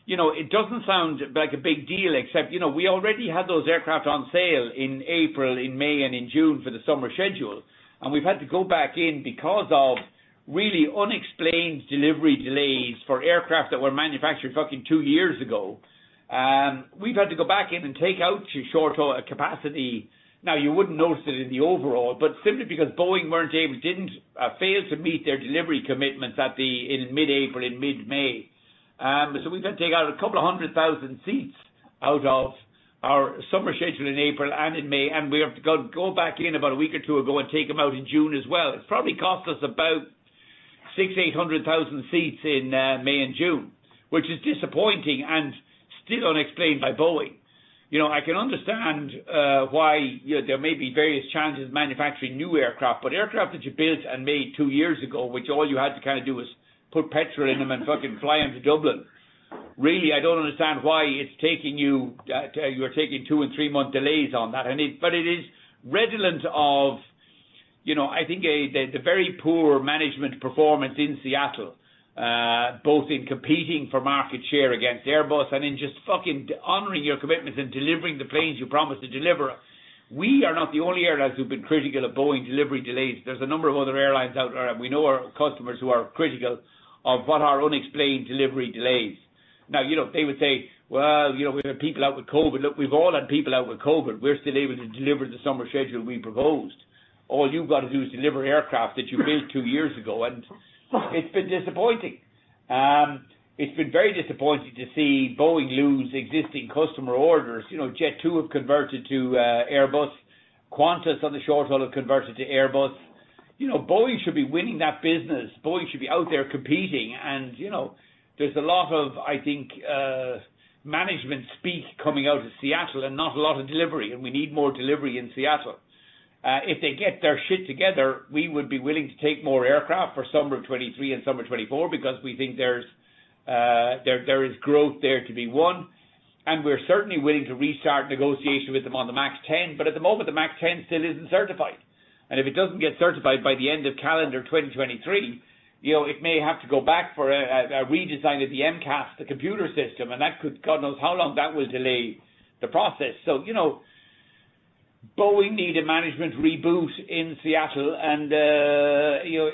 you know, it doesn't sound like a big deal except, you know, we already had those aircraft on sale in April, in May and in June for the summer schedule. We've had to go back in because of really unexplained delivery delays for aircraft that were manufactured fucking two years ago. We've had to go back in and take out to short our capacity. Now, you wouldn't notice it in the overall, but simply because Boeing failed to meet their delivery commitments in mid-April and mid-May. We've had to take out a couple of 100,000 seats out of our summer schedule in April and in May, and we have to go back in about a week or two ago and take them out in June as well. It's probably cost us about 600,000-800,000 seats in May and June, which is disappointing and still unexplained by Boeing. You know, I can understand why, you know, there may be various challenges manufacturing new aircraft, but aircraft that you built and made two years ago, which all you had to kind of do is put petrol in them and fucking fly them to Dublin. Really, I don't understand why it's taking you're taking two- and three-month delays on that. It is redolent of, you know, I think the very poor management performance in Seattle, both in competing for market share against Airbus and in just fucking dishonoring your commitments and delivering the planes you promised to deliver. We are not the only airlines who've been critical of Boeing delivery delays. There's a number of other airlines out there, and we know our customers who are critical of what are unexplained delivery delays. Now, you know, they would say, "Well, you know, we've had people out with COVID." Look, we've all had people out with COVID. We're still able to deliver the summer schedule we proposed. All you've got to do is deliver aircraft that you built two years ago, and it's been disappointing. It's been very disappointing to see Boeing lose existing customer orders. You know, Jet2 have converted to Airbus. Qantas on the short haul have converted to Airbus. You know, Boeing should be winning that business. Boeing should be out there competing and, you know, there's a lot of, I think, management speak coming out of Seattle and not a lot of delivery, and we need more delivery in Seattle. If they get their shit together, we would be willing to take more aircraft for summer of 2023 and summer 2024 because we think there is growth there to be won. We're certainly willing to restart negotiation with them on the MAX 10. At the moment, the MAX 10 still isn't certified. If it doesn't get certified by the end of calendar 2023, you know, it may have to go back for a redesign of the MCAS, the computer system, and that could. God knows how long that will delay the process. You know, Boeing need a management reboot in Seattle and, you know,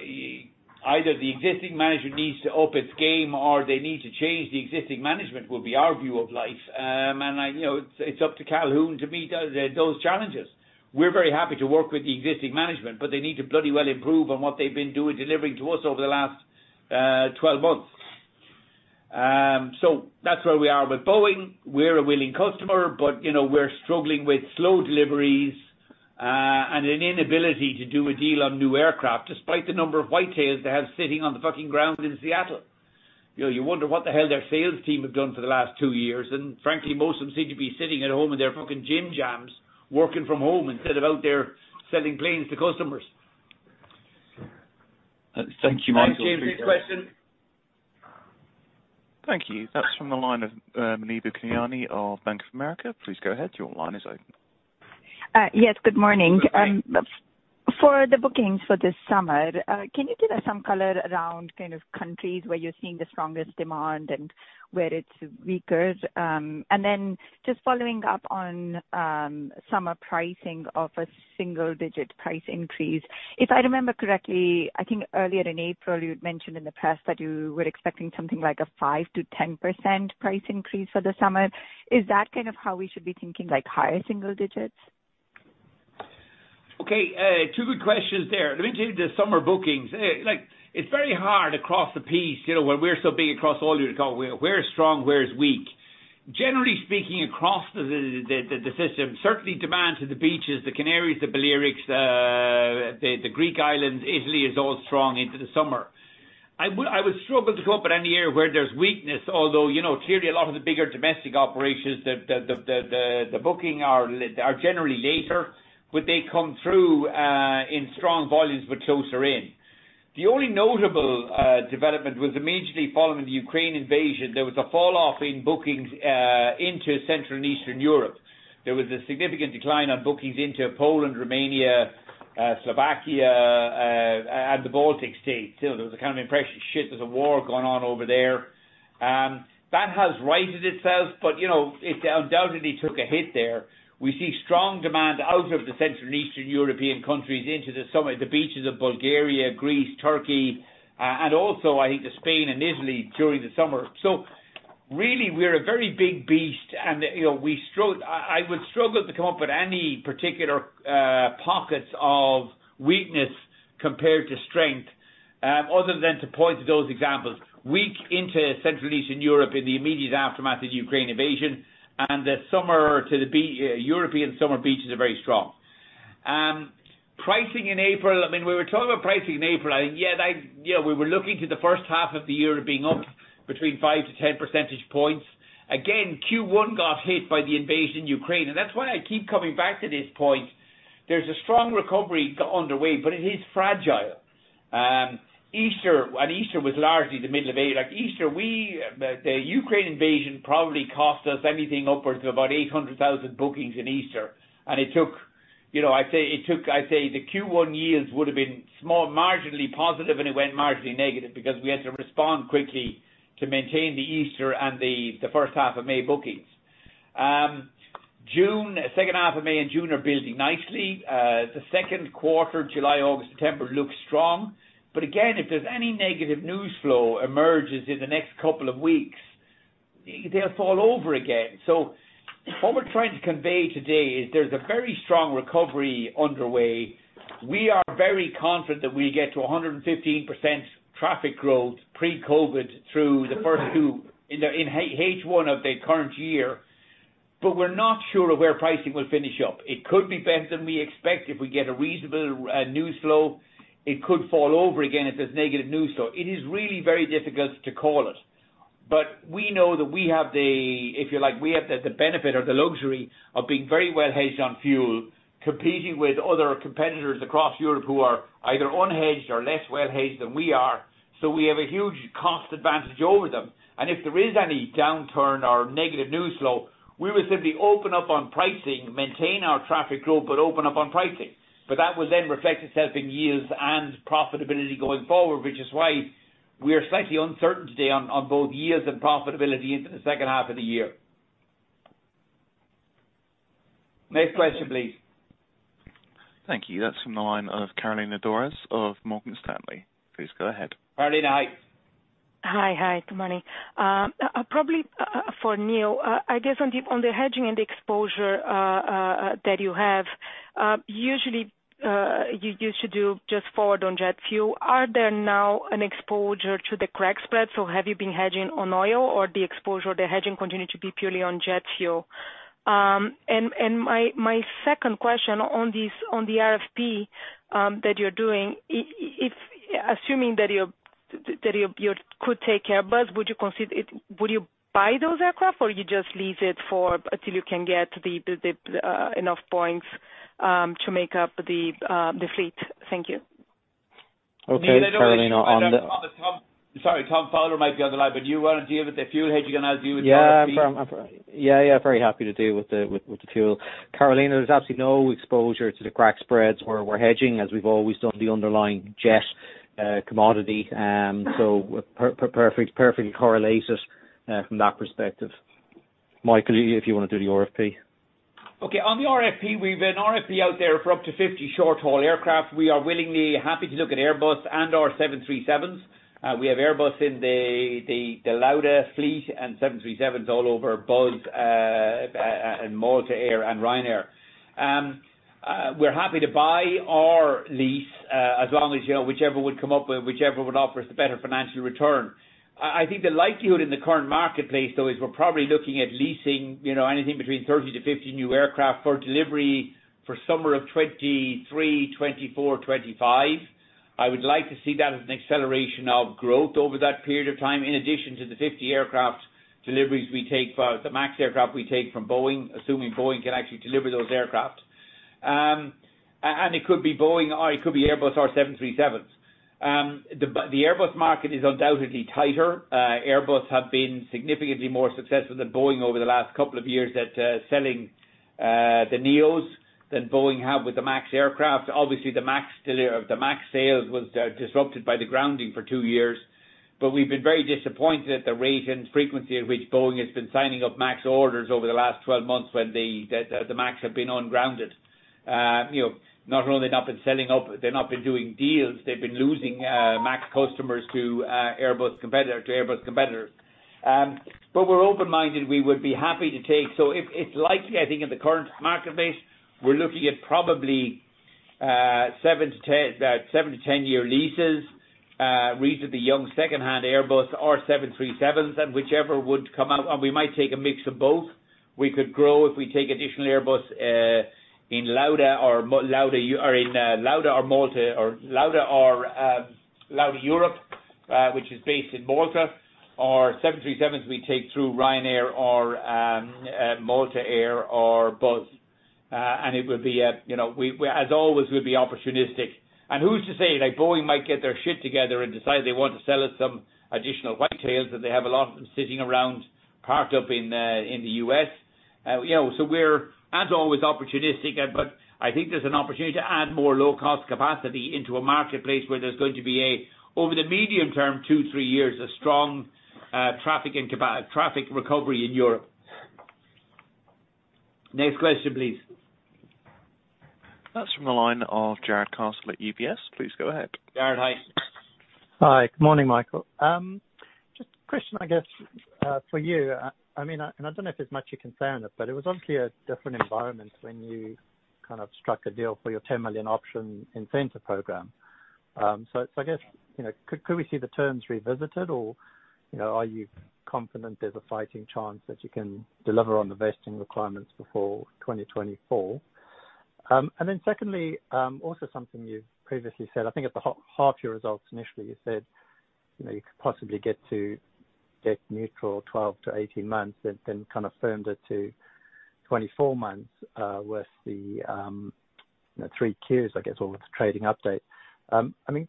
either the existing management needs to up its game or they need to change the existing management, would be our view of life. You know, it's up to Calhoun to meet those challenges. We're very happy to work with the existing management, but they need to bloody well improve on what they've been doing delivering to us over the last 12 months. That's where we are with Boeing. We're a willing customer, but, you know, we're struggling with slow deliveries and an inability to do a deal on new aircraft, despite the number of white tails they have sitting on the fucking ground in Seattle. You know, you wonder what the hell their sales team have done for the last two years, and frankly, most of them seem to be sitting at home in their fucking jim jams, working from home instead of out there selling planes to customers. Thank you, Michael. James, next question. Thank you. That's from the line of, Muneeba Kayani of Bank of America. Please go ahead. Your line is open. Yes, good morning. Good morning. For the bookings for this summer, can you give us some color around kind of countries where you're seeing the strongest demand and where it's weaker? Just following up on summer pricing of a single-digit price increase. If I remember correctly, I think earlier in April, you'd mentioned in the press that you were expecting something like a 5%-10% price increase for the summer. Is that kind of how we should be thinking, like higher single digits? Okay, two good questions there. Let me tell you the summer bookings. Like, it's very hard across the piece, you know, when we're so big across all Europe to call where's strong, where's weak. Generally speaking, across the system, certainly demand to the beaches, the Canaries, the Balearics, the Greek islands, Italy is all strong into the summer. I would struggle to come up with any area where there's weakness, although, you know, clearly a lot of the bigger domestic operations, the bookings are generally later, but they come through in strong volumes but closer in. The only notable development was immediately following the Ukraine invasion. There was a fall off in bookings into Central and Eastern Europe. There was a significant decline on bookings into Poland, Romania, Slovakia, and the Baltic States. You know, there was a kind of impression, shit, there's a war going on over there. That has righted itself, but, you know, it undoubtedly took a hit there. We see strong demand out of the Central and Eastern European countries into the summer, the beaches of Bulgaria, Greece, Turkey, and also, I think, to Spain and Italy during the summer. Really, we're a very big beast and, you know, I would struggle to come up with any particular pockets of weakness compared to strength, other than to point to those examples. Weak into Central Eastern Europe in the immediate aftermath of the Ukraine invasion and the summer to the European summer beaches are very strong. Pricing in April, I mean, we were talking about pricing in April. I think, yeah, like, you know, we were looking to the first half of the year being up between 5%-10% percentage points. Again, Q1 got hit by the invasion of Ukraine, and that's why I keep coming back to this point. There's a strong recovery underway, but it is fragile. Easter, and Easter was largely the middle of April. Like Easter, the Ukraine invasion probably cost us anything upwards of about 800,000 bookings in Easter. It took, you know, I'd say the Q1 yields would have been small, marginally positive, and it went marginally negative because we had to respond quickly to maintain the Easter and the first half of May bookings. June, second half of May and June are building nicely. The second quarter, July, August, September, looks strong. Again, if there's any negative news flow emerges in the next couple of weeks, they'll fall over again. What we're trying to convey today is there's a very strong recovery underway. We are very confident that we get to 115% traffic growth pre-COVID through the first two in H1 of the current year. We're not sure of where pricing will finish up. It could be better than we expect if we get a reasonable news flow. It could fall over again if there's negative news flow. It is really very difficult to call it. We know that we have the. If you like, we have the benefit or the luxury of being very well hedged on fuel, competing with other competitors across Europe who are either unhedged or less well hedged than we are. We have a huge cost advantage over them. If there is any downturn or negative news flow, we will simply open up on pricing, maintain our traffic growth, but open up on pricing. That will then reflect itself in yields and profitability going forward, which is why we are slightly uncertain today on both yields and profitability into the second half of the year. Next question, please. Thank you. That's from the line of Carolina Dores of Morgan Stanley. Please go ahead. Carolina, hi. Hi. Hi, good morning. Probably for Neil. I guess on the hedging and the exposure that you have, usually you used to do just forward on jet fuel. Is there now an exposure to the crack spread, or have you been hedging on oil, or the exposure or the hedging continue to be purely on jet fuel? And my second question on the RFP that you're doing, if assuming that you could take Airbus, would you consider it. Would you buy those aircraft, or you just lease it for until you can get the enough points to make up the fleet? Thank you. Okay, Carolina. Neil, I don't know if either Thomas Fowler might be on the line, but do you wanna deal with the fuel hedging, and I'll deal with the RFP? Yeah. I'm very happy to deal with the fuel. Carolina, there's absolutely no exposure to the crack spreads or where we're hedging. As we've always done the underlying jet commodity. So perfectly correlated from that perspective. Michael, if you wanna do the RFP. Okay. On the RFP, we've an RFP out there for up to 50 short-haul aircraft. We are willingly happy to look at Airbus and/or 737s. We have Airbus in the Lauda fleet and 737s all over Buzz, and Malta Air and Ryanair. We're happy to buy or lease, as long as, you know, whichever would come up with, whichever would offer us the better financial return. I think the likelihood in the current marketplace though is we're probably looking at leasing, you know, anything between 30-50 new aircraft for delivery for summer of 2023, 2024, 2025. I would like to see that as an acceleration of growth over that period of time, in addition to the 50 aircraft deliveries we take for the MAX aircraft we take from Boeing, assuming Boeing can actually deliver those aircraft. It could be Boeing or it could be Airbus or 737s. The Airbus market is undoubtedly tighter. Airbus have been significantly more successful than Boeing over the last couple of years at selling the NEOs than Boeing have with the MAX aircraft. Obviously, the MAX sales was disrupted by the grounding for two years. We've been very disappointed at the rate and frequency at which Boeing has been signing up MAX orders over the last 12 months when the MAX have been ungrounded. You know, not only they've not been selling up, they've not been doing deals, they've been losing MAX customers to Airbus competitors. We're open-minded, we would be happy to take. If it's likely, I think in the current marketplace, we're looking at probably seven to 10 year leases, reasonably young secondhand Airbus or 737s and whichever would come out. We might take a mix of both. We could grow if we take additional Airbus in Lauda or in Lauda or Malta or Lauda Europe, which is based in Malta, or 737s we take through Ryanair or Malta Air or Buzz. It would be, you know, we as always would be opportunistic. Who's to say? Like, Boeing might get their shit together and decide they want to sell us some additional white tails that they have a lot of them sitting around parked up in the U.S. You know, we're as always opportunistic. I think there's an opportunity to add more low-cost capacity into a marketplace where there's going to be a, over the medium term, two to three years, a strong traffic recovery in Europe. Next question, please. That's from the line of Jarrod Castle at UBS. Please go ahead. Jarrod, hi. Hi. Good morning, Michael. Just a question, I guess, for you. I mean, I don't know if there's much you can say on it, but it was obviously a different environment when you kind of struck a deal for your 10 million option incentive program. So I guess, you know, could we see the terms revisited or, you know, are you confident there's a fighting chance that you can deliver on the vesting requirements before 2024? And then secondly, also something you've previously said, I think at the half-year results initially you said, you know, you could possibly get to debt neutral 12-18 months and then kind of firmed it to 24 months, with the, you know, three Qs, I guess, or with the trading update. I mean,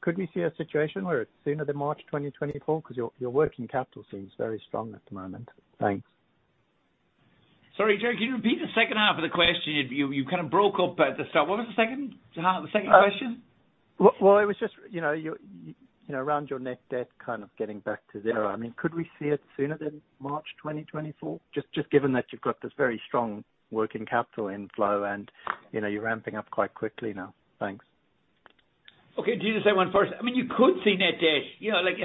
could we see a situation where it's sooner than March 2024? 'Cause your working capital seems very strong at the moment. Thanks. Sorry, Jarrod. Can you repeat the second half of the question? You kind of broke up at the start. What was the second question? Well, it was just, you know, around your net debt kind of getting back to zero. I mean, could we see it sooner than March 2024? Just given that you've got this very strong working capital inflow and, you know, you're ramping up quite quickly now. Thanks. To use that one first. I mean, you could see net debt, you know, like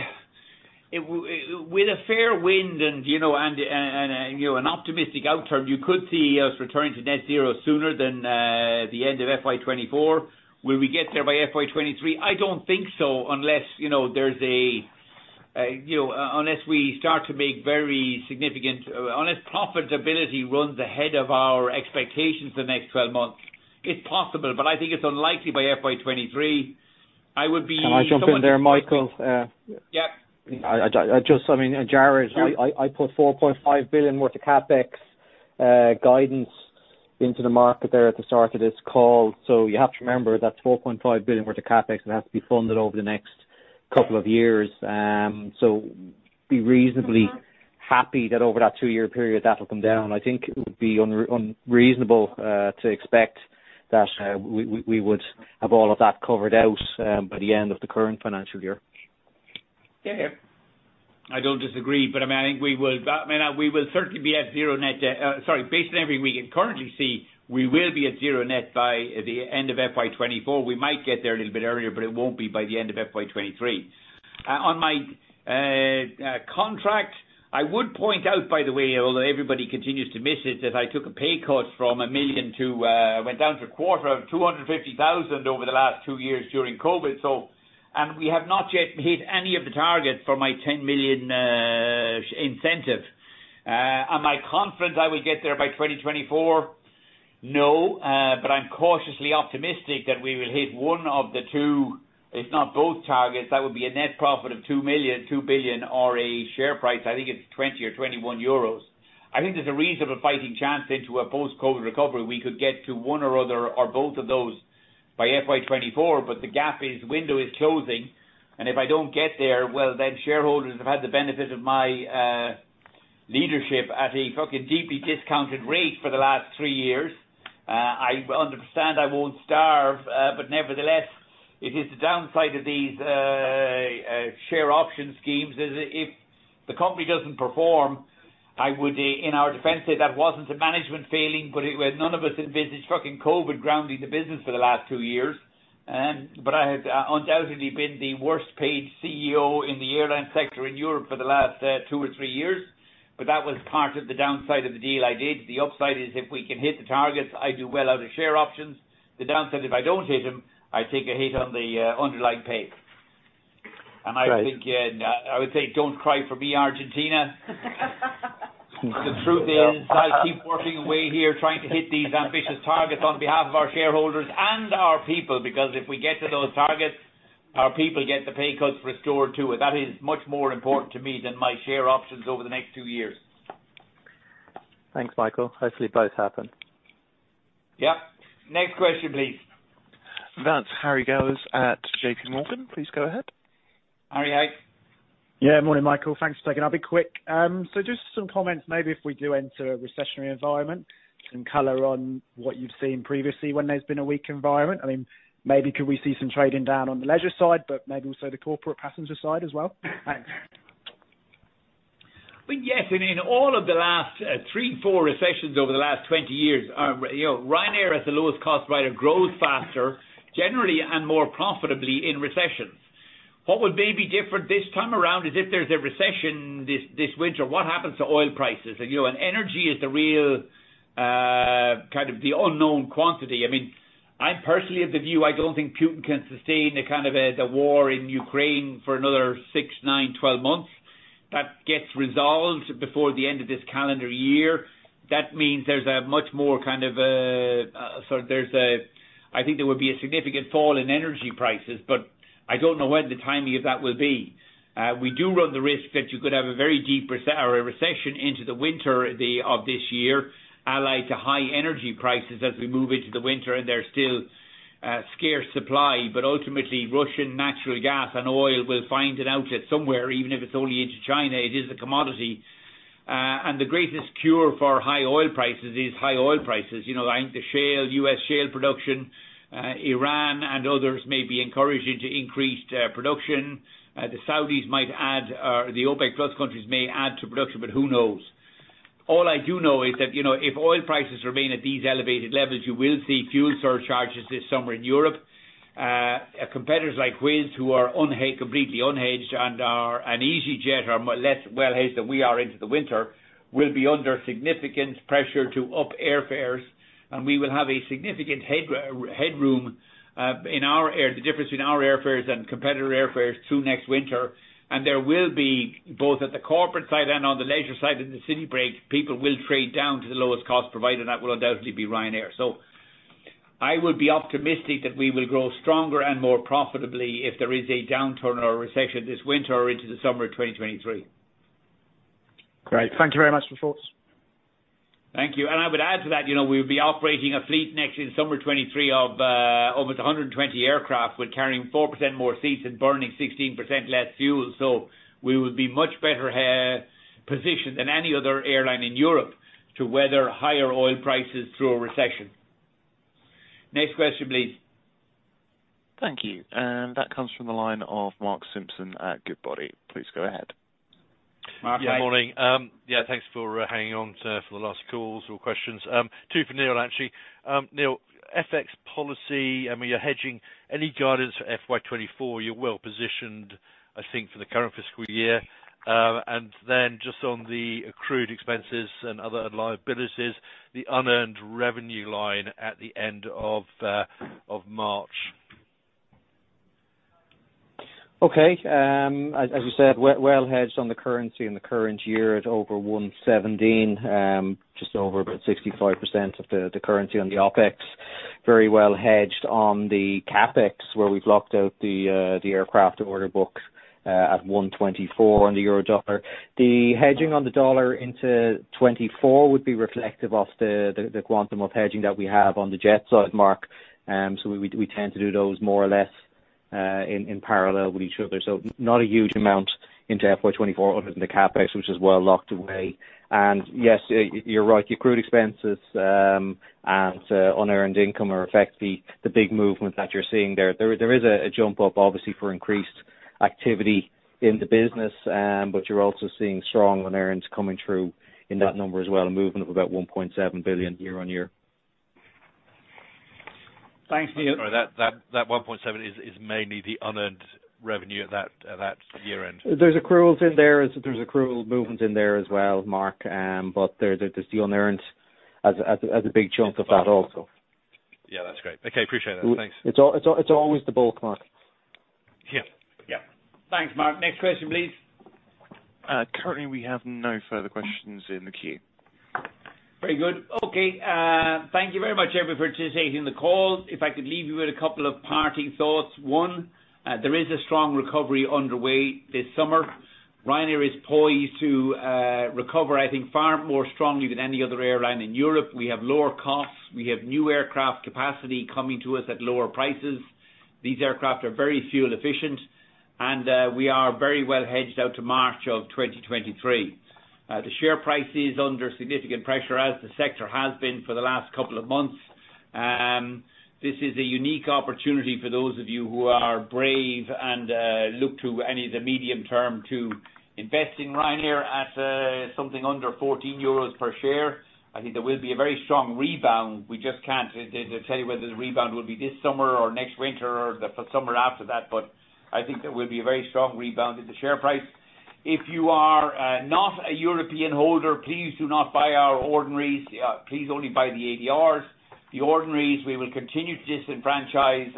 it with a fair wind and an optimistic outcome, you could see us returning to net zero sooner than the end of FY24. Will we get there by FY23? I don't think so, unless profitability runs ahead of our expectations the next 12 months, it's possible, but I think it's unlikely by FY23. I would be. Can I jump in there, Michael? Yeah. I just, I mean, Jarrod, I put 4.5 billion worth of CapEx guidance into the market there at the start of this call. You have to remember that 4.5 billion worth of CapEx will have to be funded over the next couple of years. Be reasonably happy that over that two-year period, that will come down. I think it would be unreasonable to expect that we would have all of that covered out by the end of the current financial year. Yeah. I don't disagree, but I mean, I think we will certainly be at zero net debt by the end of FY24. We might get there a little bit earlier, but it won't be by the end of FY23. On my contract, I would point out, by the way, although everybody continues to miss it, that I took a pay cut from 1 million to a quarter of 250,000 over the last two years during COVID. We have not yet hit any of the targets for my 10 million incentive. Am I confident I will get there by 2024? No. I'm cautiously optimistic that we will hit one of the two, if not both, targets. That would be a net profit of EURO 2 billion or a share price. I think it's EURO 20 or EURO 21. I think there's a reasonable fighting chance into a post-COVID recovery. We could get to one or other or both of those by FY24, but the gap is, window is closing, and if I don't get there, well, then shareholders have had the benefit of my leadership at a fucking deeply discounted rate for the last three years. I understand I won't starve, but nevertheless, it is the downside of these share option schemes if the company doesn't perform. I would, in our defense, say that wasn't a management failing, but none of us envisaged fucking COVID grounding the business for the last two years. I have undoubtedly been the worst paid CEO in the airline sector in Europe for the last two or three years. That was part of the downside of the deal I did. The upside is if we can hit the targets, I do well out of share options. The downside, if I don't hit them, I take a hit on the underlying pay. I think, I would say, "Don't cry for me, Argentina." The truth is I'll keep working away here trying to hit these ambitious targets on behalf of our shareholders and our people, because if we get to those targets, our people get the pay cuts restored, too. That is much more important to me than my share options over the next two years. Thanks, Michael. Hopefully both happen. Yeah. Next question, please. That's Harry Gowers at JPMorgan. Please go ahead. Harry, hi. Morning, Michael. Thanks for taking. I'll be quick. Just some comments, maybe if we do enter a recessionary environment, some color on what you've seen previously when there's been a weak environment. I mean, maybe could we see some trading down on the leisure side, but maybe also the corporate passenger side as well? Well, yes. I mean, all of the last three or four recessions over the last 20 years are. You know, Ryanair as the lowest cost carrier grows faster, generally and more profitably in recessions. What would be different this time around is if there's a recession this winter, what happens to oil prices? You know, energy is the real kind of the unknown quantity. I mean, I'm personally of the view, I don't think Putin can sustain a kind of the war in Ukraine for another six, nine, 12 months. That gets resolved before the end of this calendar year. That means there's a much more kind of significant fall in energy prices, but I don't know when the timing of that will be. We do run the risk that you could have a very deep recession into the winter of this year, allied to high energy prices as we move into the winter and there's still scarce supply. Ultimately, Russian natural gas and oil will find an outlet somewhere, even if it's only into China. It is a commodity. The greatest cure for high oil prices is high oil prices. You know, I think the shale, U.S. shale production, Iran and others may be encouraged into increased production. The Saudis might add, or the OPEC+ countries may add to production, but who knows? All I do know is that, you know, if oil prices remain at these elevated levels, you will see fuel surcharges this summer in Europe. Competitors like Wizz Air who are completely unhedged and EasyJet are less well-hedged than we are into the winter, will be under significant pressure to up airfares. We will have a significant headroom in the difference between our airfares and competitor airfares through next winter. There will be, both at the corporate side and on the leisure side and the city break, people will trade down to the lowest cost provider, and that will undoubtedly be Ryanair. I would be optimistic that we will grow stronger and more profitably if there is a downturn or a recession this winter or into the summer of 2023. Great. Thank you very much for your thoughts. Thank you. I would add to that, you know, we'll be operating a fleet next summer 2023 of almost 120 aircraft. We're carrying 4% more seats and burning 16% less fuel. We will be much better positioned than any other airline in Europe to weather higher oil prices through a recession. Next question, please. Thank you. That comes from the line of Mark Simpson at Goodbody. Please go ahead. Yeah. Morning. Yeah, thanks for hanging on, sir, for the last calls or questions. Two for Neil, actually. Neil, FX policy, I mean, your hedging, any guidance for FY24. You're well-positioned, I think, for the current fiscal year. Just on the accrued expenses and other liabilities, the unearned revenue line at the end of March. Okay. As you said, we're well hedged on the currency in the current year at over 1.17. Just over about 65% of the currency on the OpEx. Very well hedged on the CapEx, where we've locked out the aircraft order book at 1.24 in the euro/dollar. The hedging on the dollar into 2024 would be reflective of the quantum of hedging that we have on the jet side, Mark. We tend to do those more or less in parallel with each other. Not a huge amount into FY 2024 other than the CapEx, which is well locked away. Yes, you're right, accrued expenses and unearned income are in fact the big movement that you're seeing there. There is a jump up obviously for increased activity in the business. But you're also seeing strong earnings coming through in that number as well. A movement of about 1.7 billion year-on-year. Thanks, Neil. Sorry, that 1.7 is mainly the unearned revenue at that year-end? There's accruals in there. There's accrual movements in there as well, Mark. There's the unearned as a big chunk of that also. Yeah, that's great. Okay, appreciate it. Thanks. It's always the bulk, Mark. Yeah. Yeah. Thanks, Mark. Next question, please. Currently we have no further questions in the queue. Very good. Okay, thank you very much everybody for participating in the call. If I could leave you with a couple of parting thoughts. One, there is a strong recovery underway this summer. Ryanair is poised to recover, I think, far more strongly than any other airline in Europe. We have lower costs. We have new aircraft capacity coming to us at lower prices. These aircraft are very fuel efficient and we are very well hedged out to March 2023. The share price is under significant pressure as the sector has been for the last couple of months. This is a unique opportunity for those of you who are brave and look to any of the medium term to invest in Ryanair at something under 14 euros per share. I think there will be a very strong rebound. We just can't tell you whether the rebound will be this summer or next winter or the summer after that, but I think there will be a very strong rebound in the share price. If you are not a European holder, please do not buy our ordinaries. Please only buy the ADRs. The ordinaries, we will continue to disenfranchise.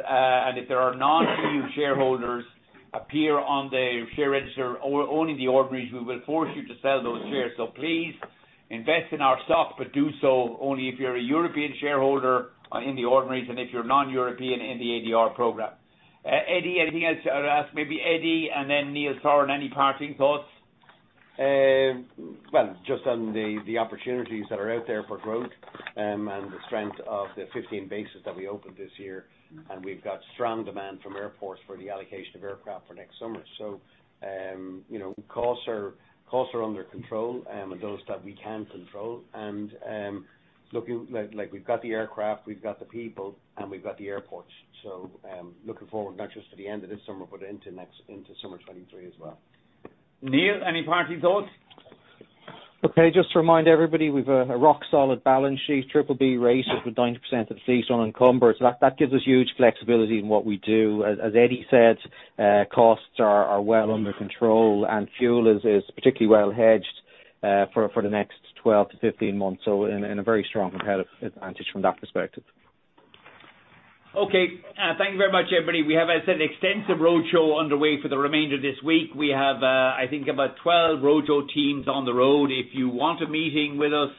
If there are non-EU shareholders appear on the share register owning the ordinaries, we will force you to sell those shares. Please invest in our stock, but do so only if you're a European shareholder in the ordinaries, and if you're non-European in the ADR program. Eddie, anything else? I'll ask maybe Eddie, and then Neil Sorahan any parting thoughts? Well, just on the opportunities that are out there for growth, and the strength of the 15 bases that we opened this year, and we've got strong demand from airports for the allocation of aircraft for next summer. You know, costs are under control, and those that we can control and looking like we've got the aircraft, we've got the people and we've got the airports. Looking forward not just to the end of this summer, but into next summer 2023 as well. Neil, any parting thoughts? Okay. Just to remind everybody, we've a rock-solid balance sheet, BBB rated with 90% of the fleet unencumbered. That gives us huge flexibility in what we do. As Eddie said, costs are well under control and fuel is particularly well hedged for the next 12-15 months. In a very strong competitive advantage from that perspective. Okay. Thank you very much everybody. We have, as I said, extensive roadshow underway for the remainder of this week. We have, I think about 12 roadshow teams on the road. If you want a meeting with us,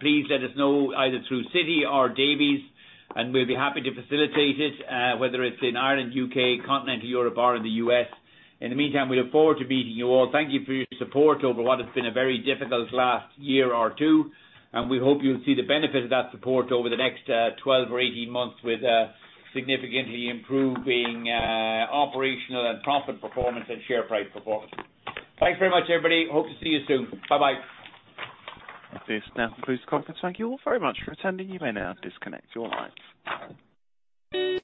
please let us know either through Citi or Davy, and we'll be happy to facilitate it, whether it's in Ireland, U.K., Continental Europe or in the U.S. In the meantime, we look forward to meeting you all. Thank you for your support over what has been a very difficult last year or two, and we hope you'll see the benefit of that support over the next, 12 or 18 months with, significantly improving, operational and profit performance and share price performance. Thanks very much, everybody. Hope to see you soon. Bye-bye. This now concludes the conference. Thank you all very much for attending. You may now disconnect your lines.